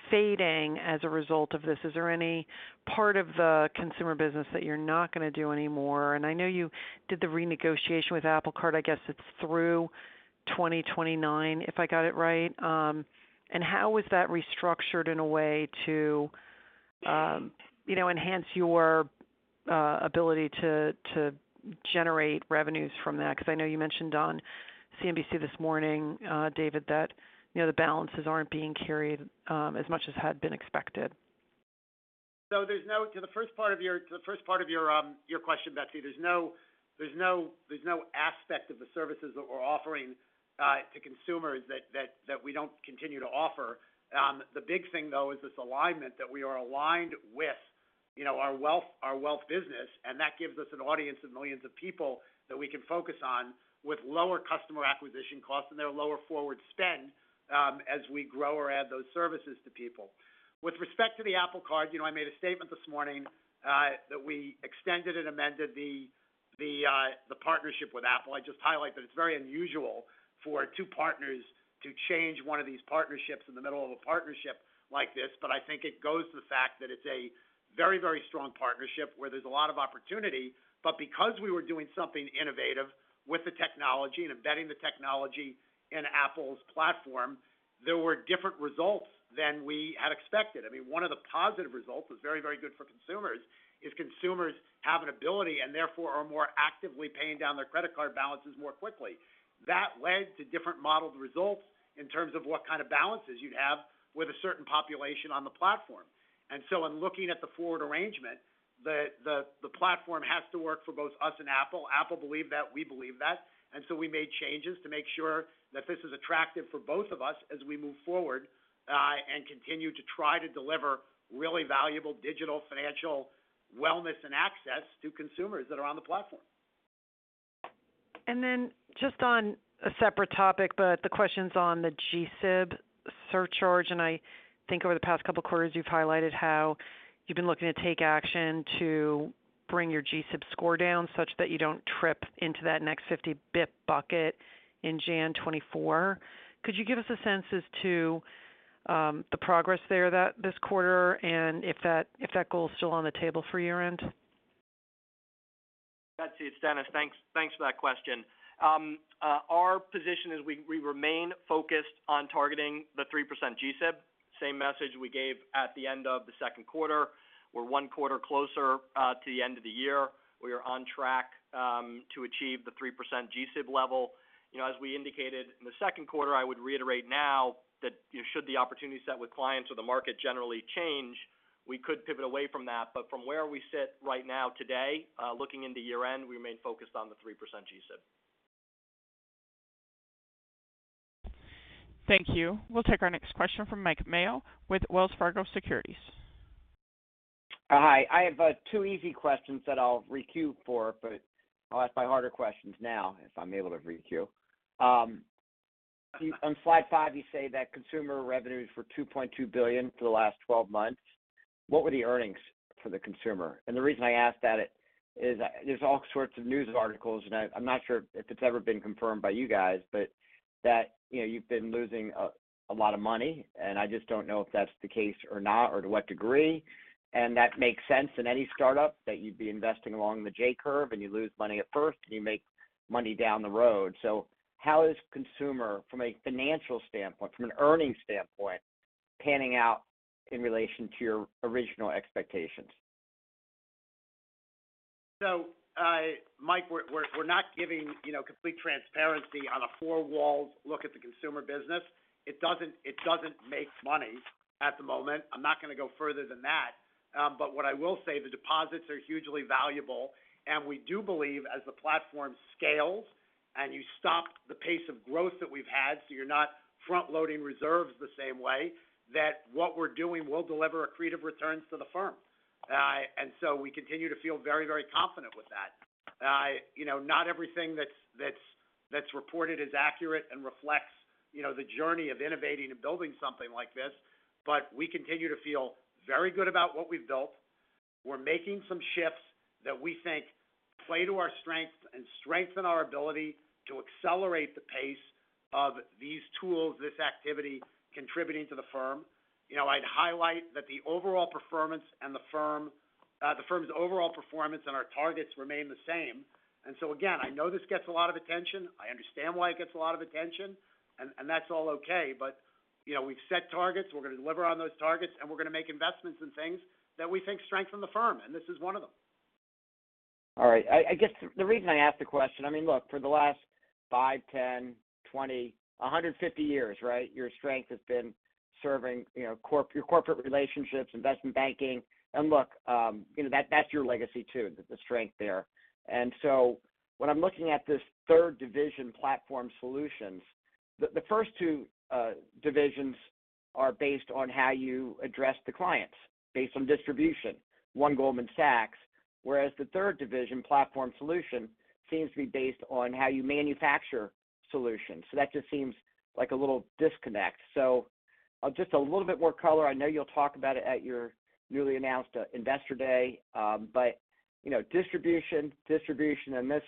fading as a result of this? Is there any part of the consumer business that you're not gonna do anymore? I know you did the renegotiation with Apple Card. I guess it's through 2029, if I got it right. How was that restructured in a way to, you know, enhance your ability to generate revenues from that? Because I know you mentioned on CNBC this morning, David, that, you know, the balances aren't being carried as much as had been expected. To the first part of your question, Betsy, there's no aspect of the services that we're offering to consumers that we don't continue to offer. The big thing though is this alignment that we are aligned with, you know, our wealth business, and that gives us an audience of millions of people that we can focus on with lower customer acquisition costs and there lower forward spend, as we grow or add those services to people. With respect to the Apple Card, you know, I made a statement this morning that we extended and amended the partnership with Apple. I just highlight that it's very unusual for two partners to change one of these partnerships in the middle of a partnership like this. I think it goes to the fact that it's a very, very strong partnership where there's a lot of opportunity. Because we were doing something innovative with the technology and embedding the technology in Apple's platform, there were different results than we had expected. I mean, one of the positive results was very, very good for consumers, is consumers have an ability and therefore are more actively paying down their credit card balances more quickly. That led to different modeled results in terms of what kind of balances you'd have with a certain population on the platform. In looking at the forward arrangement, the platform has to work for both us and Apple. Apple believed that. We believe that. We made changes to make sure that this is attractive for both of us as we move forward, and continue to try to deliver really valuable digital financial wellness and access to consumers that are on the platform. Then just on a separate topic, but the question's on the GSIB surcharge. I think over the past couple of quarters, you've highlighted how you've been looking to take action to bring your G-SIB score down such that you don't trip into that next 50 bps bucket in January 2024. Could you give us a sense as to The progress there that this quarter, and if that goal is still on the table for year-end? Betsy, it's Denis. Thanks for that question. Our position is we remain focused on targeting the 3% G-SIB. Same message we gave at the end of the second quarter. We're one quarter closer to the end of the year. We are on track to achieve the 3% G-SIB level. You know, as we indicated in the second quarter, I would reiterate now that should the opportunity set with clients or the market generally change, we could pivot away from that. But from where we sit right now today, looking into year-end, we remain focused on the 3% G-SIB. Thank you. We'll take our next question from Mike Mayo with Wells Fargo Securities. Hi, I have two easy questions that I'll requeue for, but I'll ask my harder questions now if I'm able to requeue. On slide five you say that consumer revenues were $2.2 billion for the last 12 months. What were the earnings for the consumer? The reason I ask that is, there's all sorts of news articles, and I'm not sure if it's ever been confirmed by you guys, but that, you know, you've been losing a lot of money, and I just don't know if that's the case or not, or to what degree. That makes sense in any startup that you'd be investing along the J-curve, and you lose money at first, and you make money down the road. How is consumer, from a financial standpoint, from an earnings standpoint, panning out in relation to your original expectations? Mike, we're not giving, you know, complete transparency on a four-walled look at the consumer business. It doesn't make money at the moment. I'm not going to go further than that. What I will say, the deposits are hugely valuable. We do believe as the platform scales and you stop the pace of growth that we've had, so you're not front-loading reserves the same way, that what we're doing will deliver accretive returns to the firm. We continue to feel very, very confident with that. You know, not everything that's reported is accurate and reflects, you know, the journey of innovating and building something like this. We continue to feel very good about what we've built. We're making some shifts that we think play to our strengths and strengthen our ability to accelerate the pace of these tools, this activity contributing to the firm. You know, I'd highlight that the firm's overall performance and our targets remain the same. Again, I know this gets a lot of attention. I understand why it gets a lot of attention, and that's all okay. You know, we've set targets, we're going to deliver on those targets, and we're going to make investments in things that we think strengthen the firm, and this is one of them. All right. I guess the reason I asked the question, I mean, look, for the last five, 10, 20, 150 years, right? Your strength has been serving, you know, your corporate relationships, investment banking. Look, you know, that's your legacy too, the strength there. When I'm looking at this third division Platform Solutions, the first two divisions are based on how you address the clients based on distribution, One Goldman Sachs, whereas the third division Platform Solutions seems to be based on how you manufacture solutions. That just seems like a little disconnect. Just a little bit more color. I know you'll talk about it at your newly announced investor day, but you know, distribution, and this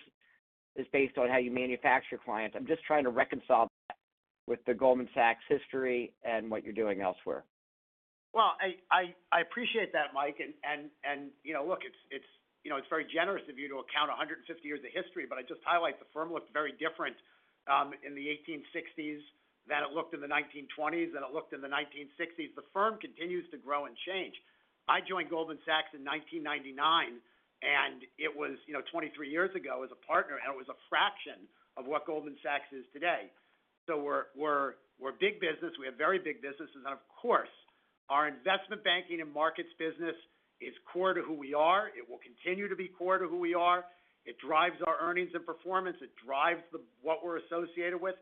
is based on how you manufacture clients. I'm just trying to reconcile that with the Goldman Sachs history and what you're doing elsewhere. Well, I appreciate that, Mike. You know, look, it's very generous of you to account for 150 years of history, but I just highlight the firm looked very different in the 1860s than it looked in the 1920s, than it looked in the 1960s. The firm continues to grow and change. I joined Goldman Sachs in 1999, and it was, you know, 23 years ago as a partner, and it was a fraction of what Goldman Sachs is today. We're big business. We have very big businesses. Of course, our investment banking and markets business is core to who we are. It will continue to be core to who we are. It drives our earnings and performance. It drives what we're associated with.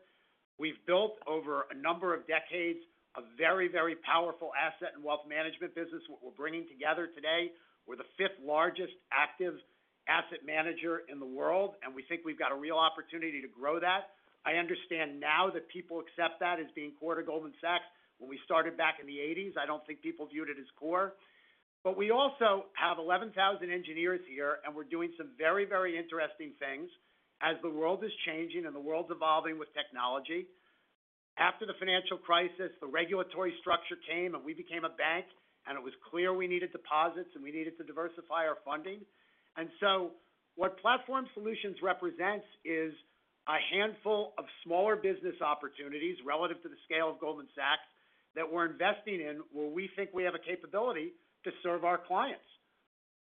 We've built over a number of decades, a very, very powerful asset and wealth management business, what we're bringing together today. We're the fifth largest active asset manager in the world, and we think we've got a real opportunity to grow that. I understand now that people accept that as being core to Goldman Sachs. When we started back in the 1980s, I don't think people viewed it as core. We also have 11,000 engineers here, and we're doing some very, very interesting things as the world is changing and the world's evolving with technology. After the financial crisis, the regulatory structure came and we became a bank, and it was clear we needed deposits and we needed to diversify our funding. What Platform Solutions represents is a handful of smaller business opportunities relative to the scale of Goldman Sachs that we're investing in, where we think we have a capability to serve our clients.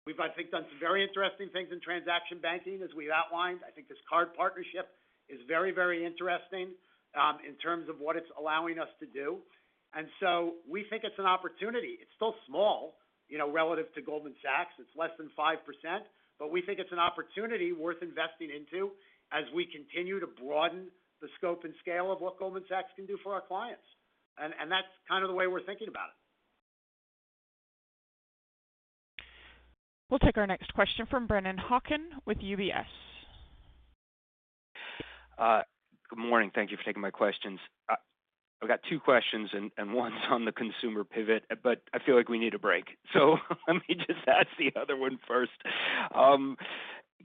We've, I think, done some very interesting things in transaction banking, as we've outlined. I think this card partnership is very, very interesting, in terms of what it's allowing us to do. We think it's an opportunity. It's still small, you know, relative to Goldman Sachs. It's less than 5%, but we think it's an opportunity worth investing into as we continue to broaden the scope and scale of what Goldman Sachs can do for our clients. That's kind of the way we're thinking about it. We'll take our next question from Brennan Hawken with UBS. Good morning. Thank you for taking my questions. I've got two questions and one's on the consumer pivot, but I feel like we need a break. So let me just ask the other one first.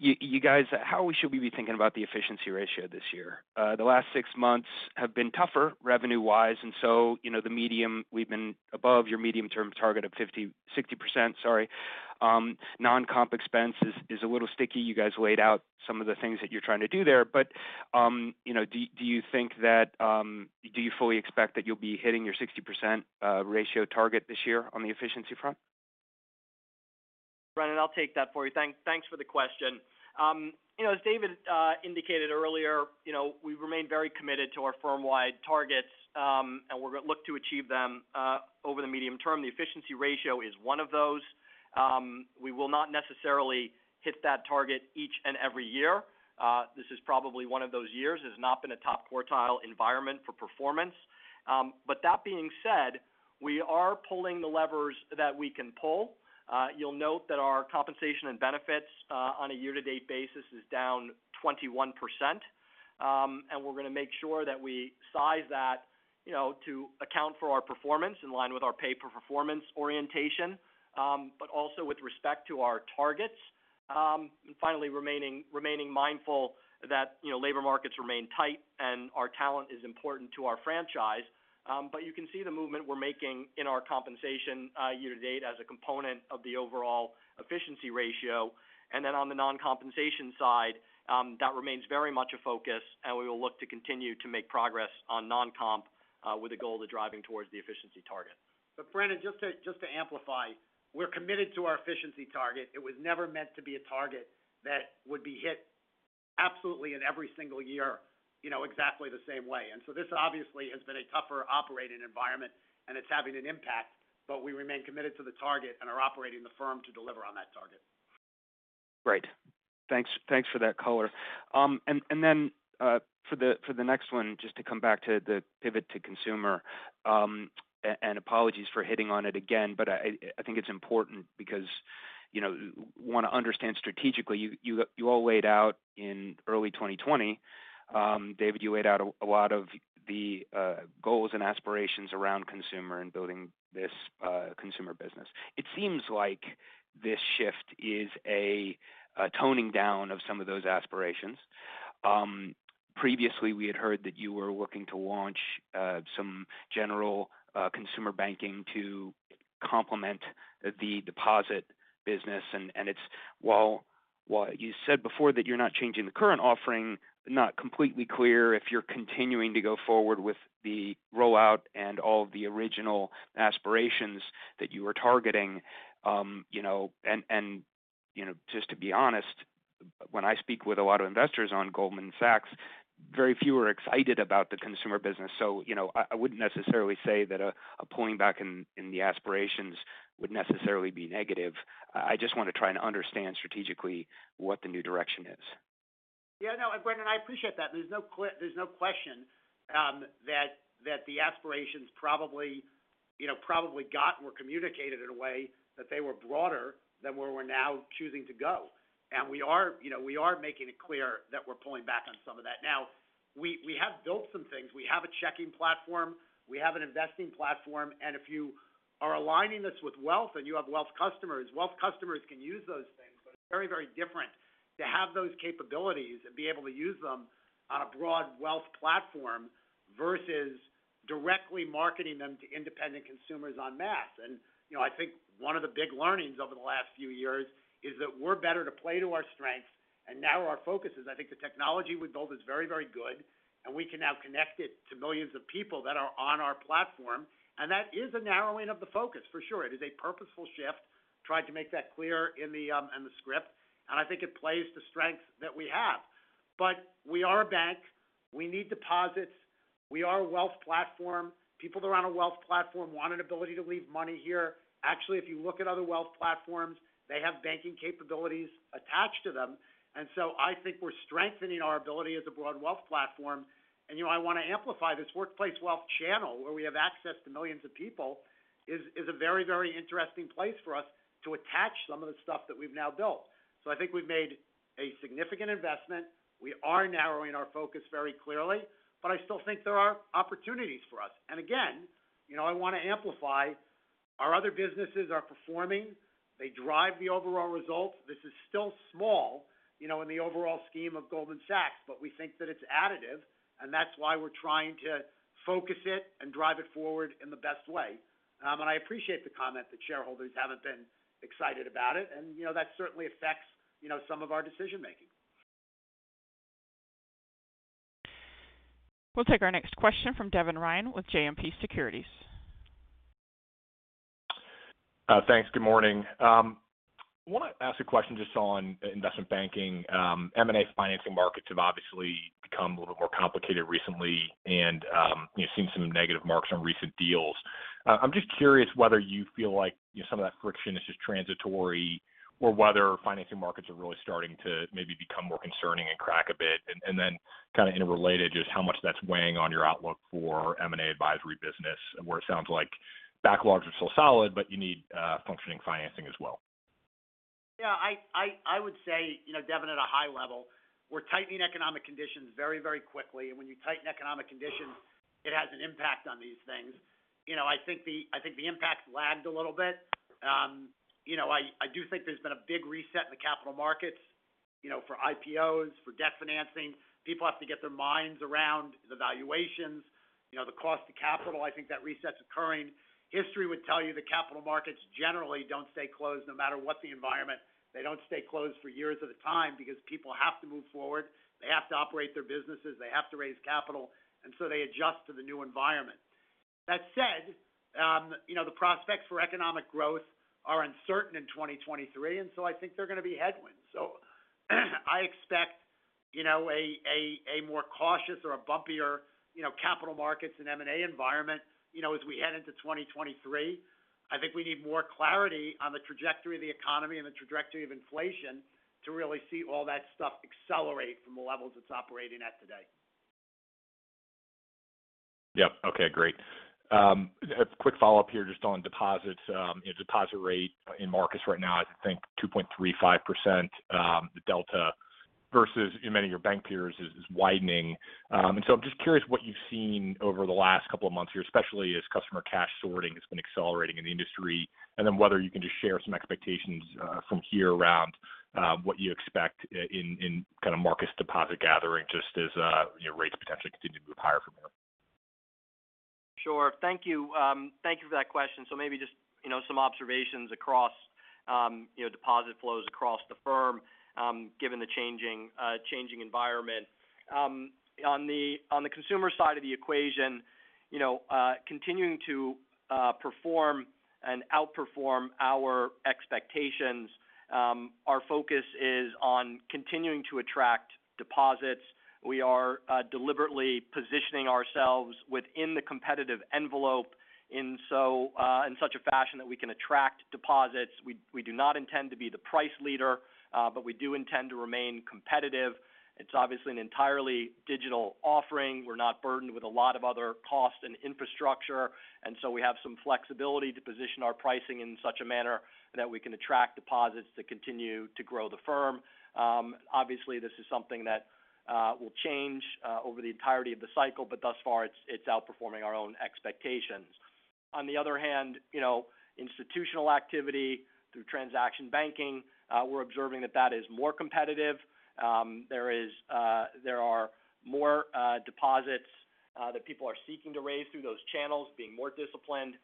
You guys, how should we be thinking about the efficiency ratio this year? The last six months have been tougher revenue-wise, and so you know in the meantime we've been above your medium-term target of 60%, sorry. Non-comp expense is a little sticky. You guys laid out some of the things that you're trying to do there. But you know, do you think that do you fully expect that you'll be hitting your 60% ratio target this year on the efficiency front? Brennan, I'll take that for you. Thanks for the question. You know, as David indicated earlier, you know, we remain very committed to our firm-wide targets, and we're gonna look to achieve them over the medium term. The efficiency ratio is one of those. We will not necessarily hit that target each and every year. This is probably one of those years. It has not been a top quartile environment for performance. That being said, we are pulling the levers that we can pull. You'll note that our compensation and benefits on a year-to-date basis is down 21%. We're gonna make sure that we size that, you know, to account for our performance in line with our pay-for-performance orientation, but also with respect to our targets. Finally, remaining mindful that, you know, labor markets remain tight and our talent is important to our franchise. You can see the movement we're making in our compensation year to date as a component of the overall efficiency ratio. Then on the non-compensation side, that remains very much a focus, and we will look to continue to make progress on non-comp with the goal of driving towards the efficiency target. Brennan, just to amplify, we're committed to our efficiency target. It was never meant to be a target that would be hit absolutely in every single year, you know, exactly the same way. This obviously has been a tougher operating environment and it's having an impact, but we remain committed to the target and are operating the firm to deliver on that target. Great. Thanks for that color. For the next one, just to come back to the pivot to consumer, and apologies for hitting on it again, but I think it's important because, you know, want to understand strategically, you all laid out in early 2020, David, you laid out a lot of the goals and aspirations around consumer and building this consumer business. It seems like this shift is a toning down of some of those aspirations. Previously we had heard that you were looking to launch some general consumer banking to complement the deposit business. It's while you said before that you're not changing the current offering, not completely clear if you're continuing to go forward with the rollout and all of the original aspirations that you were targeting. You know, just to be honest, when I speak with a lot of investors on Goldman Sachs, very few are excited about the consumer business. You know, I wouldn't necessarily say that a pulling back in the aspirations would necessarily be negative. I just want to try and understand strategically what the new direction is. Yeah, no, Brennan, I appreciate that. There's no question that the aspirations probably, you know, probably got more communicated in a way that they were broader than where we're now choosing to go. We are making it clear that we're pulling back on some of that. Now, we have built some things. We have a checking platform, we have an investing platform, and if you are aligning this with wealth and you have wealth customers, wealth customers can use those things. But it's very, very different to have those capabilities and be able to use them on a broad wealth platform versus directly marketing them to independent consumers on mass. You know, I think one of the big learnings over the last few years is that we're better to play to our strengths, and now our focus is, I think the technology we built is very, very good, and we can now connect it to millions of people that are on our platform. That is a narrowing of the focus for sure. It is a purposeful shift. Tried to make that clear in the script, and I think it plays to strengths that we have. But we are a bank. We need deposits. We are a wealth platform. People that are on a wealth platform want an ability to leave money here. Actually, if you look at other wealth platforms, they have banking capabilities attached to them. I think we're strengthening our ability as a broad wealth platform. you know, I wanna amplify this workplace wealth channel where we have access to millions of people is a very, very interesting place for us to attach some of the stuff that we've now built. I think we've made a significant investment. We are narrowing our focus very clearly, but I still think there are opportunities for us. again, you know, I wanna amplify our other businesses are performing. They drive the overall results. This is still small, you know, in the overall scheme of Goldman Sachs, but we think that it's additive, and that's why we're trying to focus it and drive it forward in the best way. I appreciate the comment that shareholders haven't been excited about it. you know, that certainly affects, you know, some of our decision-making. We'll take our next question from Devin Ryan with JMP Securities. Thanks. Good morning. I wanna ask a question just on investment banking. M&A financing markets have obviously become a little bit more complicated recently and, you know, seen some negative marks on recent deals. I'm just curious whether you feel like, you know, some of that friction is just transitory or whether financing markets are really starting to maybe become more concerning and crack a bit. Then kind of interrelated, just how much that's weighing on your outlook for M&A advisory business, where it sounds like backlogs are still solid, but you need functioning financing as well. Yeah. I would say, you know, Devin, at a high level We're tightening economic conditions very, very quickly. When you tighten economic conditions, it has an impact on these things. You know, I think the impact's lagged a little bit. You know, I do think there's been a big reset in the capital markets, you know, for IPOs, for debt financing. People have to get their minds around the valuations, you know, the cost of capital. I think that reset's occurring. History would tell you the capital markets generally don't stay closed no matter what the environment. They don't stay closed for years at a time because people have to move forward. They have to operate their businesses. They have to raise capital. They adjust to the new environment. That said, you know, the prospects for economic growth are uncertain in 2023, and so I think they're going to be headwinds. I expect, you know, a more cautious or a bumpier, you know, capital markets and M&A environment, you know, as we head into 2023. I think we need more clarity on the trajectory of the economy and the trajectory of inflation to really see all that stuff accelerate from the levels it's operating at today. Yep. Okay, great. A quick follow-up here just on deposits. You know, deposit rate in Marcus right now is, I think, 2.35%. The delta versus many of your bank peers is widening. I'm just curious what you've seen over the last couple of months here, especially as customer cash sorting has been accelerating in the industry, and then whether you can just share some expectations from here around what you expect in kind of Marcus deposit gathering just as, you know, rates potentially continue to move higher from here. Sure. Thank you. Thank you for that question. Maybe just, you know, some observations across, you know, deposit flows across the firm, given the changing environment. On the consumer side of the equation, you know, continuing to perform and outperform our expectations, our focus is on continuing to attract deposits. We are deliberately positioning ourselves within the competitive envelope in such a fashion that we can attract deposits. We do not intend to be the price leader, but we do intend to remain competitive. It's obviously an entirely digital offering. We're not burdened with a lot of other costs and infrastructure. We have some flexibility to position our pricing in such a manner that we can attract deposits to continue to grow the firm. Obviously, this is something that will change over the entirety of the cycle, but thus far it's outperforming our own expectations. On the other hand, you know, institutional activity through transaction banking, we're observing that is more competitive. There are more deposits that people are seeking to raise through those channels being more disciplined.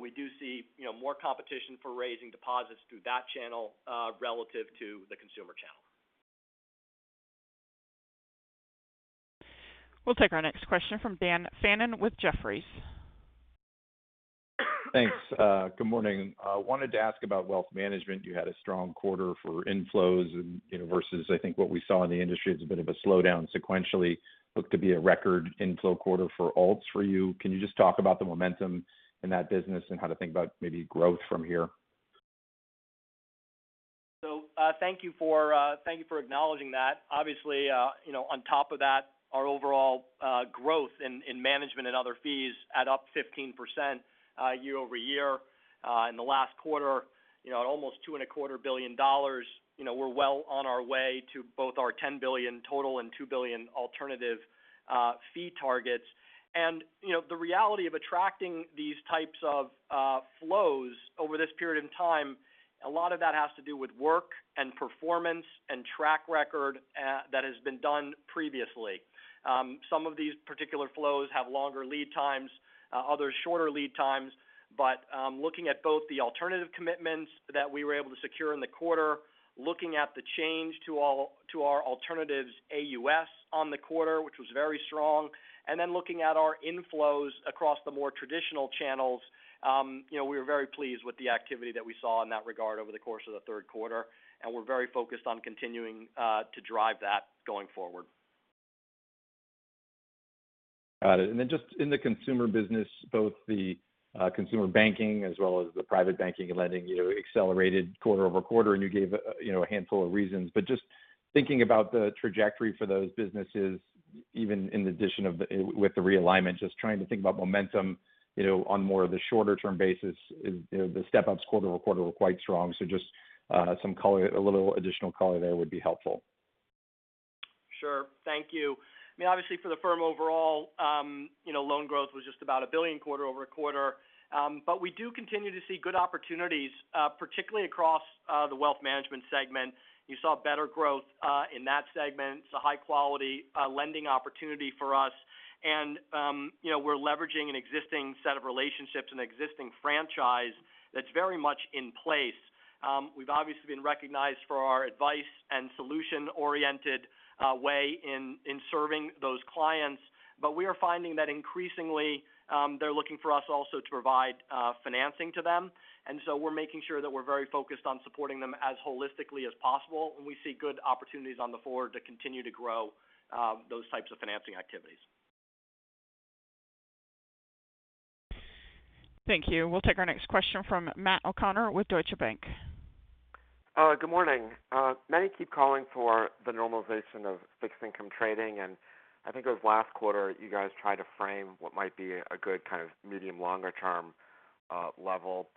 We do see, you know, more competition for raising deposits through that channel relative to the consumer channel. We'll take our next question from Daniel Fannon with Jefferies. Thanks. Good morning. I wanted to ask about wealth management. You had a strong quarter for inflows and, you know, versus I think what we saw in the industry as a bit of a slowdown sequentially. Looked to be a record inflow quarter for alts for you. Can you just talk about the momentum in that business and how to think about maybe growth from here? Thank you for acknowledging that. Obviously, you know, on top of that, our overall growth in management and other fees adds up 15% year-over-year. In the last quarter, you know, at almost $2.25 billion, you know, we're well on our way to both our $10 billion total and $2 billion alternative fee targets. You know, the reality of attracting these types of flows over this period in time, a lot of that has to do with work and performance and track record that has been done previously. Some of these particular flows have longer lead times, others shorter lead times. Looking at both the alternative commitments that we were able to secure in the quarter, looking at the change to our alternatives AUS on the quarter, which was very strong, and then looking at our inflows across the more traditional channels, you know, we were very pleased with the activity that we saw in that regard over the course of the third quarter. We're very focused on continuing to drive that going forward. Got it. Just in the consumer business, both the consumer banking as well as the private banking and lending, you know, accelerated quarter-over-quarter, and you gave, you know, a handful of reasons. Just thinking about the trajectory for those businesses, even with the realignment, just trying to think about momentum, you know, on more of the shorter-term basis is, you know, the step-ups quarter-over-quarter were quite strong. Just some color, a little additional color there would be helpful. Sure. Thank you. I mean, obviously for the firm overall, you know, loan growth was just about $1 billion quarter-over-quarter. We do continue to see good opportunities, particularly across the wealth management segment. You saw better growth in that segment. It's a high-quality lending opportunity for us. You know, we're leveraging an existing set of relationships and existing franchise that's very much in place. We've obviously been recognized for our advice and solution-oriented way in serving those clients. We are finding that increasingly, they're looking for us also to provide financing to them. We're making sure that we're very focused on supporting them as holistically as possible. We see good opportunities going forward to continue to grow those types of financing activities. Thank you. We'll take our next question from Matt O'Connor with Deutsche Bank. Good morning. Many keep calling for the normalization of fixed income trading, and I think it was last quarter you guys tried to frame what might be a good kind of medium longer term level.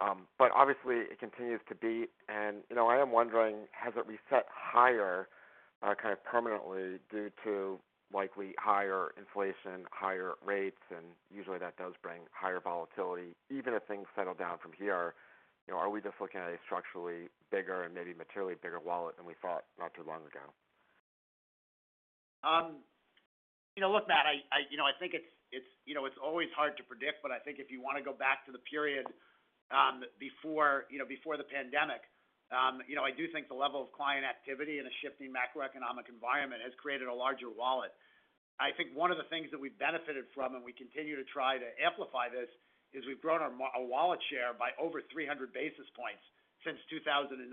Obviously it continues to be, and, you know, I am wondering, has it reset higher, kind of permanently due to likely higher inflation, higher rates, and usually that does bring higher volatility. Even if things settle down from here, you know, are we just looking at a structurally bigger and maybe materially bigger wallet than we thought not too long ago? You know, look, Matt, you know, I think it's always hard to predict, but I think if you wanna go back to the period before the pandemic, you know, I do think the level of client activity in a shifting macroeconomic environment has created a larger wallet. I think one of the things that we benefited from, and we continue to try to amplify this, is we've grown our wallet share by over 300 basis points since 2019.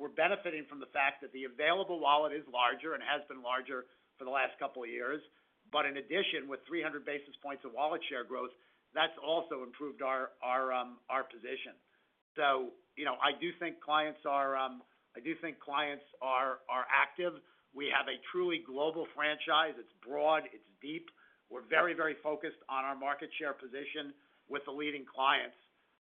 We're benefiting from the fact that the available wallet is larger and has been larger for the last couple of years. In addition, with 300 basis points of wallet share growth, that's also improved our position. You know, I do think clients are active. We have a truly global franchise. It's broad, it's deep. We're very focused on our market share position with the leading clients.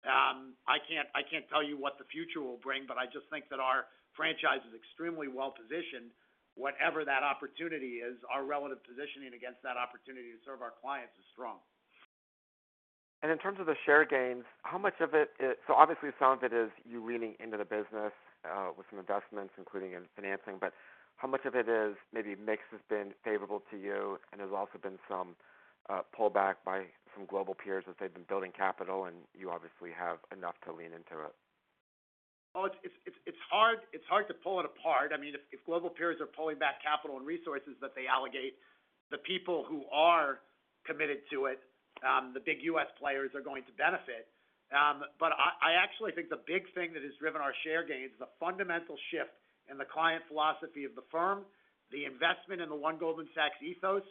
I can't tell you what the future will bring, but I just think that our franchise is extremely well-positioned. Whatever that opportunity is, our relative positioning against that opportunity to serve our clients is strong. In terms of the share gains, how much of it? Obviously some of it is you leaning into the business with some investments, including in financing, but how much of it is maybe mix has been favorable to you and there's also been some pullback by some global peers as they've been building capital, and you obviously have enough to lean into it. Well, it's hard to pull it apart. I mean, if global peers are pulling back capital and resources that they allocate, the people who are committed to it, the big US players are going to benefit. I actually think the big thing that has driven our share gains is the fundamental shift in the client philosophy of the firm, the investment in the One Goldman Sachs ethos.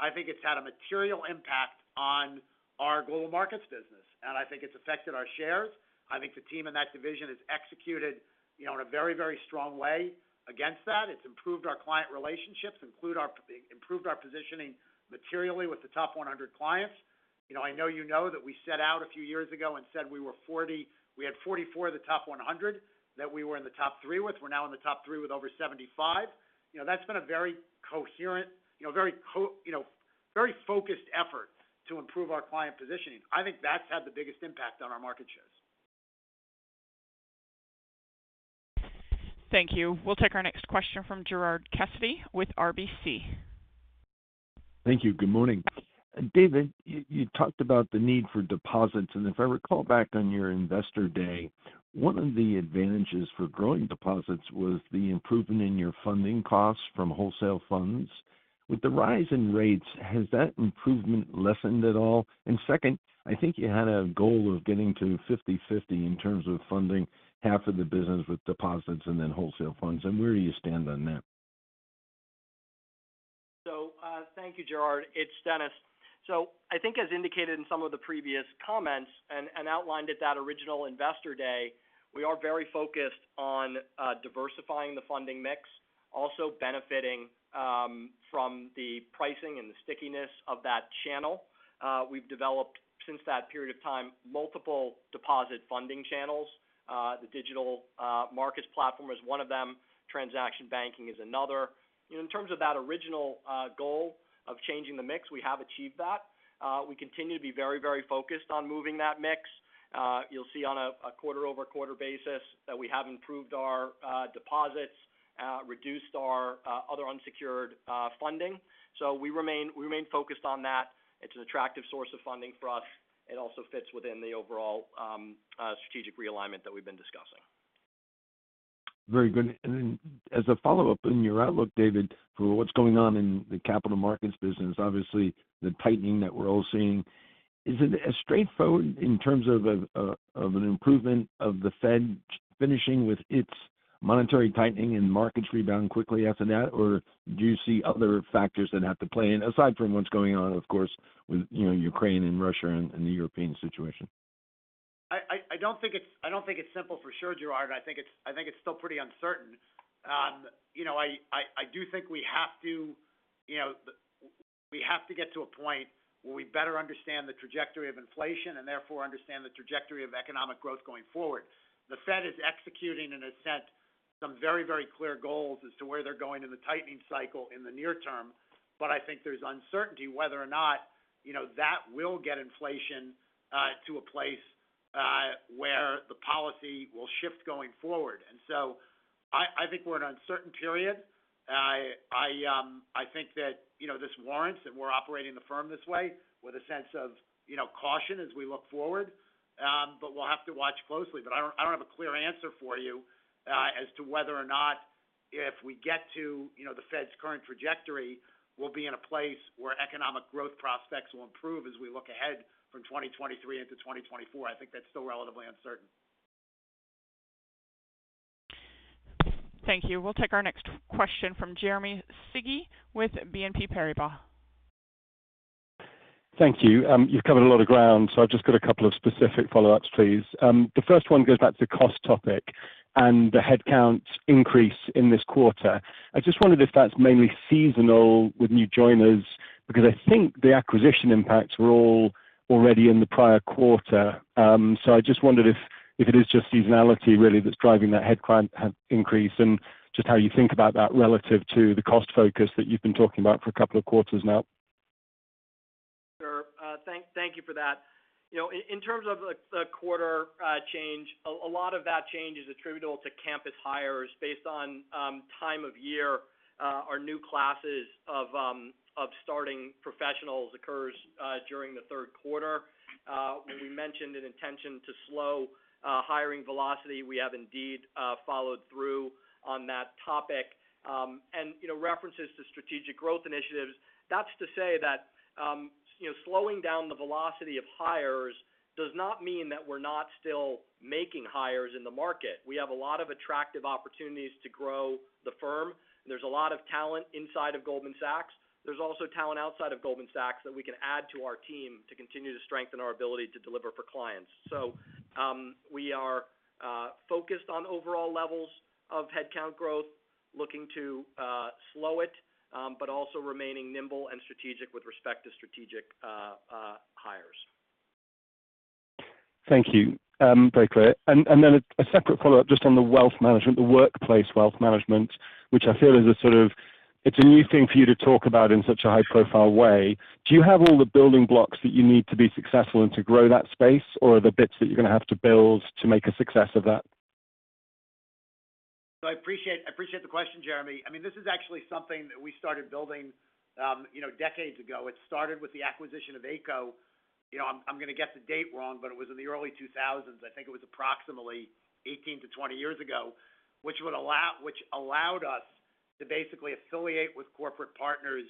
I think it's had a material impact on our global markets business, and I think it's affected our shares. I think the team in that division has executed, you know, in a very strong way against that. It's improved our client relationships, improved our positioning materially with the top 100 clients. You know, I know you know that we set out a few years ago and said we were 40... We had 44 of the top 100 that we were in the top three with. We're now in the top three with over 75. You know, that's been a very coherent, you know, very focused effort to improve our client positioning. I think that's had the biggest impact on our market shares. Thank you. We'll take our next question from Gerard Cassidy with RBC. Thank you. Good morning. David, you talked about the need for deposits, and if I recall back on your investor day, one of the advantages for growing deposits was the improvement in your funding costs from wholesale funds. With the rise in rates, has that improvement lessened at all? Second, I think you had a goal of getting to 50/50 in terms of funding half of the business with deposits and then wholesale funds, and where do you stand on that? Thank you, Gerard. It's Denis. I think as indicated in some of the previous comments and outlined at that original investor day, we are very focused on diversifying the funding mix, also benefiting from the pricing and the stickiness of that channel. We've developed, since that period of time, multiple deposit funding channels. The digital markets platform is one of them. Transaction banking is another. In terms of that original goal of changing the mix, we have achieved that. We continue to be very focused on moving that mix. You'll see on a quarter-over-quarter basis that we have improved our deposits, reduced our other unsecured funding. We remain focused on that. It's an attractive source of funding for us. It also fits within the overall, strategic realignment that we've been discussing. Very good. Then as a follow-up, in your outlook, David, for what's going on in the capital markets business, obviously the tightening that we're all seeing, is it as straightforward in terms of of an improvement of the Fed finishing with its monetary tightening and markets rebound quickly after that? Or do you see other factors that have to play in, aside from what's going on, of course, with, you know, Ukraine and Russia and the European situation? I don't think it's simple for sure, Gerard. I think it's still pretty uncertain. You know, I do think we have to, you know, we have to get to a point where we better understand the trajectory of inflation and therefore understand the trajectory of economic growth going forward. The Fed is executing, in a sense, some very clear goals as to where they're going in the tightening cycle in the near term. I think there's uncertainty whether or not, you know, that will get inflation to a place where the policy will shift going forward. I think we're in an uncertain period. I think that, you know, this warrants that we're operating the firm this way with a sense of, you know, caution as we look forward. We'll have to watch closely. I don't have a clear answer for you, as to whether or not, if we get to, you know, the Fed's current trajectory, we'll be in a place where economic growth prospects will improve as we look ahead from 2023 into 2024. I think that's still relatively uncertain. Thank you. We'll take our next question from Jeremy Sigee with BNP Paribas. Thank you. You've covered a lot of ground, so I've just got a couple of specific follow-ups, please. The first one goes back to cost topic and the headcount increase in this quarter. I just wondered if that's mainly seasonal with new joiners. Because I think the acquisition impacts were all already in the prior quarter. I just wondered if it is just seasonality really that's driving that headcount increase and just how you think about that relative to the cost focus that you've been talking about for a couple of quarters now. Sure. Thank you for that. You know, in terms of the quarter change, a lot of that change is attributable to campus hires based on time of year. Our new classes of starting professionals occurs during the third quarter. We mentioned an intention to slow hiring velocity. We have indeed followed through on that topic. You know, references to strategic growth initiatives, that's to say that, you know, slowing down the velocity of hires does not mean that we're not still making hires in the market. We have a lot of attractive opportunities to grow the firm. There's a lot of talent inside of Goldman Sachs. There's also talent outside of Goldman Sachs that we can add to our team to continue to strengthen our ability to deliver for clients. We are focused on overall levels of headcount growth, looking to slow it, but also remaining nimble and strategic with respect to strategic hires. Thank you. Very clear. Then a separate follow-up just on the wealth management, the workplace wealth management, which I feel is a new thing for you to talk about in such a high-profile way. Do you have all the building blocks that you need to be successful and to grow that space, or are there bits that you're gonna have to build to make a success of that? I appreciate the question, Jer. I mean, this is actually something that we started building, you know, decades ago. It started with the acquisition of Ayco. You know, I'm gonna get the date wrong, but it was in the early 2000s. I think it was approximately 18-20 years ago, which allowed us to basically affiliate with corporate partners,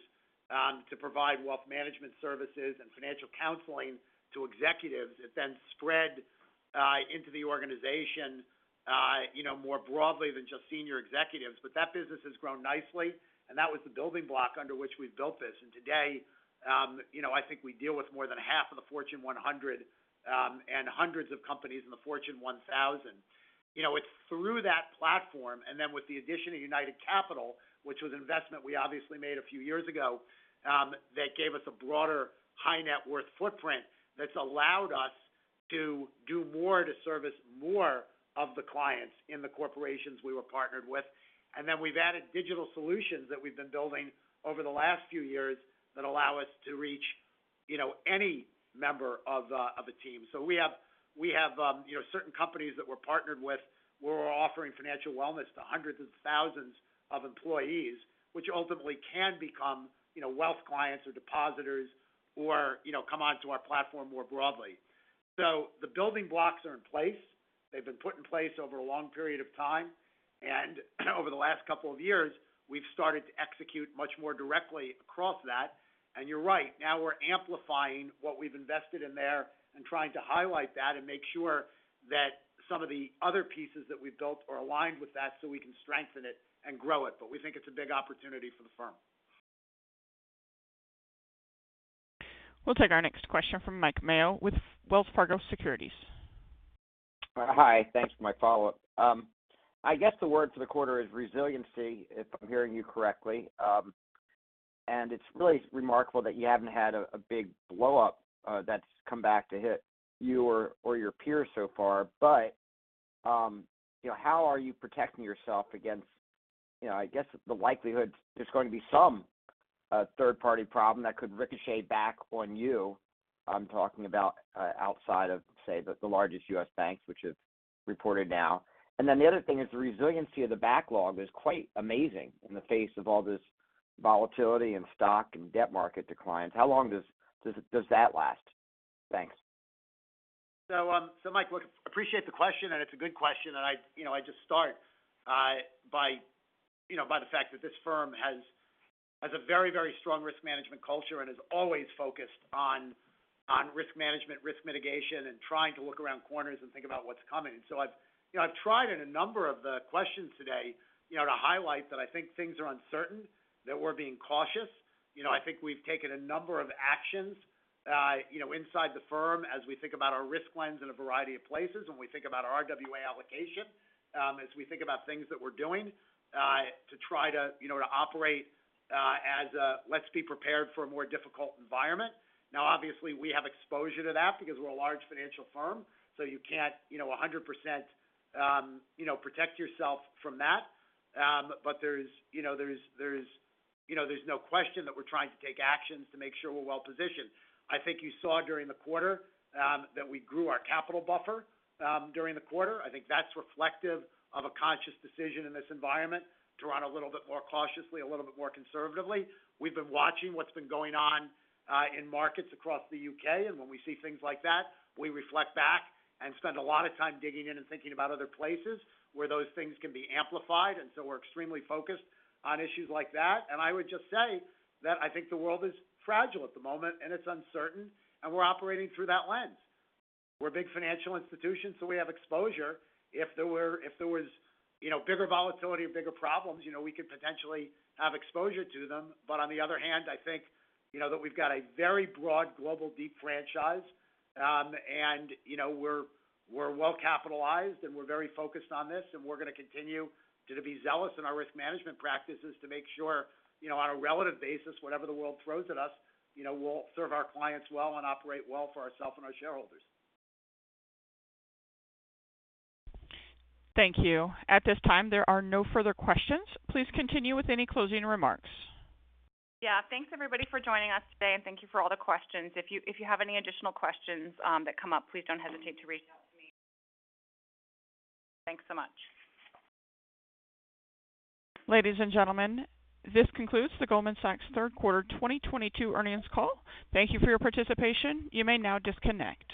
to provide wealth management services and financial counseling to executives. It then spread into the organization, you know, more broadly than just senior executives. That business has grown nicely, and that was the building block under which we've built this. Today, you know, I think we deal with more than half of the Fortune 100, and hundreds of companies in the Fortune 1000. You know, it's through that platform and then with the addition of United Capital, which was an investment we obviously made a few years ago, that gave us a broader high net worth footprint that's allowed us to do more to service more of the clients in the corporations we were partnered with. We've added digital solutions that we've been building over the last few years that allow us to reach, you know, any member of a team. We have, you know, certain companies that we're partnered with, where we're offering financial wellness to hundreds and thousands of employees, which ultimately can become, you know, wealth clients or depositors or, you know, come onto our platform more broadly. The building blocks are in place. They've been put in place over a long period of time. Over the last couple of years, we've started to execute much more directly across that. You're right, now we're amplifying what we've invested in there and trying to highlight that and make sure that some of the other pieces that we've built are aligned with that so we can strengthen it and grow it. We think it's a big opportunity for the firm. We'll take our next question from Mike Mayo with Wells Fargo Securities. Hi. Thanks for my follow-up. I guess the word for the quarter is resiliency, if I'm hearing you correctly. It's really remarkable that you haven't had a big blow up that's come back to hit you or your peers so far. You know, how are you protecting yourself against, you know, I guess the likelihood there's going to be some third-party problem that could ricochet back on you? I'm talking about outside of, say, the largest U.S. banks which have reported now. The other thing is the resiliency of the backlog is quite amazing in the face of all this volatility in stock and debt market declines. How long does that last? Thanks. Mike, look, appreciate the question, and it's a good question. I you know I just start by you know by the fact that this firm has a very very strong risk management culture and is always focused on risk management risk mitigation and trying to look around corners and think about what's coming. I've you know I've tried in a number of the questions today you know to highlight that I think things are uncertain that we're being cautious. You know I think we've taken a number of actions you know inside the firm as we think about our risk lens in a variety of places when we think about our RWA allocation as we think about things that we're doing to try to you know to operate as a let's be prepared for a more difficult environment. Now, obviously, we have exposure to that because we're a large financial firm, so you can't, you know, 100%, you know, protect yourself from that. But there's, you know, no question that we're trying to take actions to make sure we're well positioned. I think you saw during the quarter that we grew our capital buffer during the quarter. I think that's reflective of a conscious decision in this environment to run a little bit more cautiously, a little bit more conservatively. We've been watching what's been going on in markets across the U.K., and when we see things like that, we reflect back and spend a lot of time digging in and thinking about other places where those things can be amplified. We're extremely focused on issues like that. I would just say that I think the world is fragile at the moment, and it's uncertain, and we're operating through that lens. We're a big financial institution, so we have exposure. If there was, you know, bigger volatility or bigger problems, you know, we could potentially have exposure to them. But on the other hand, I think, you know, that we've got a very broad global, deep franchise. And you know, we're well capitalized, and we're very focused on this, and we're gonna continue to be zealous in our risk management practices to make sure, you know, on a relative basis, whatever the world throws at us, you know, we'll serve our clients well and operate well for ourselves and our shareholders. Thank you. At this time, there are no further questions. Please continue with any closing remarks. Yeah. Thanks everybody for joining us today, and thank you for all the questions. If you have any additional questions that come up, please don't hesitate to reach out to me. Thanks so much. Ladies and gentlemen, this concludes the Goldman Sachs third quarter 2022 earnings call. Thank you for your participation. You may now disconnect.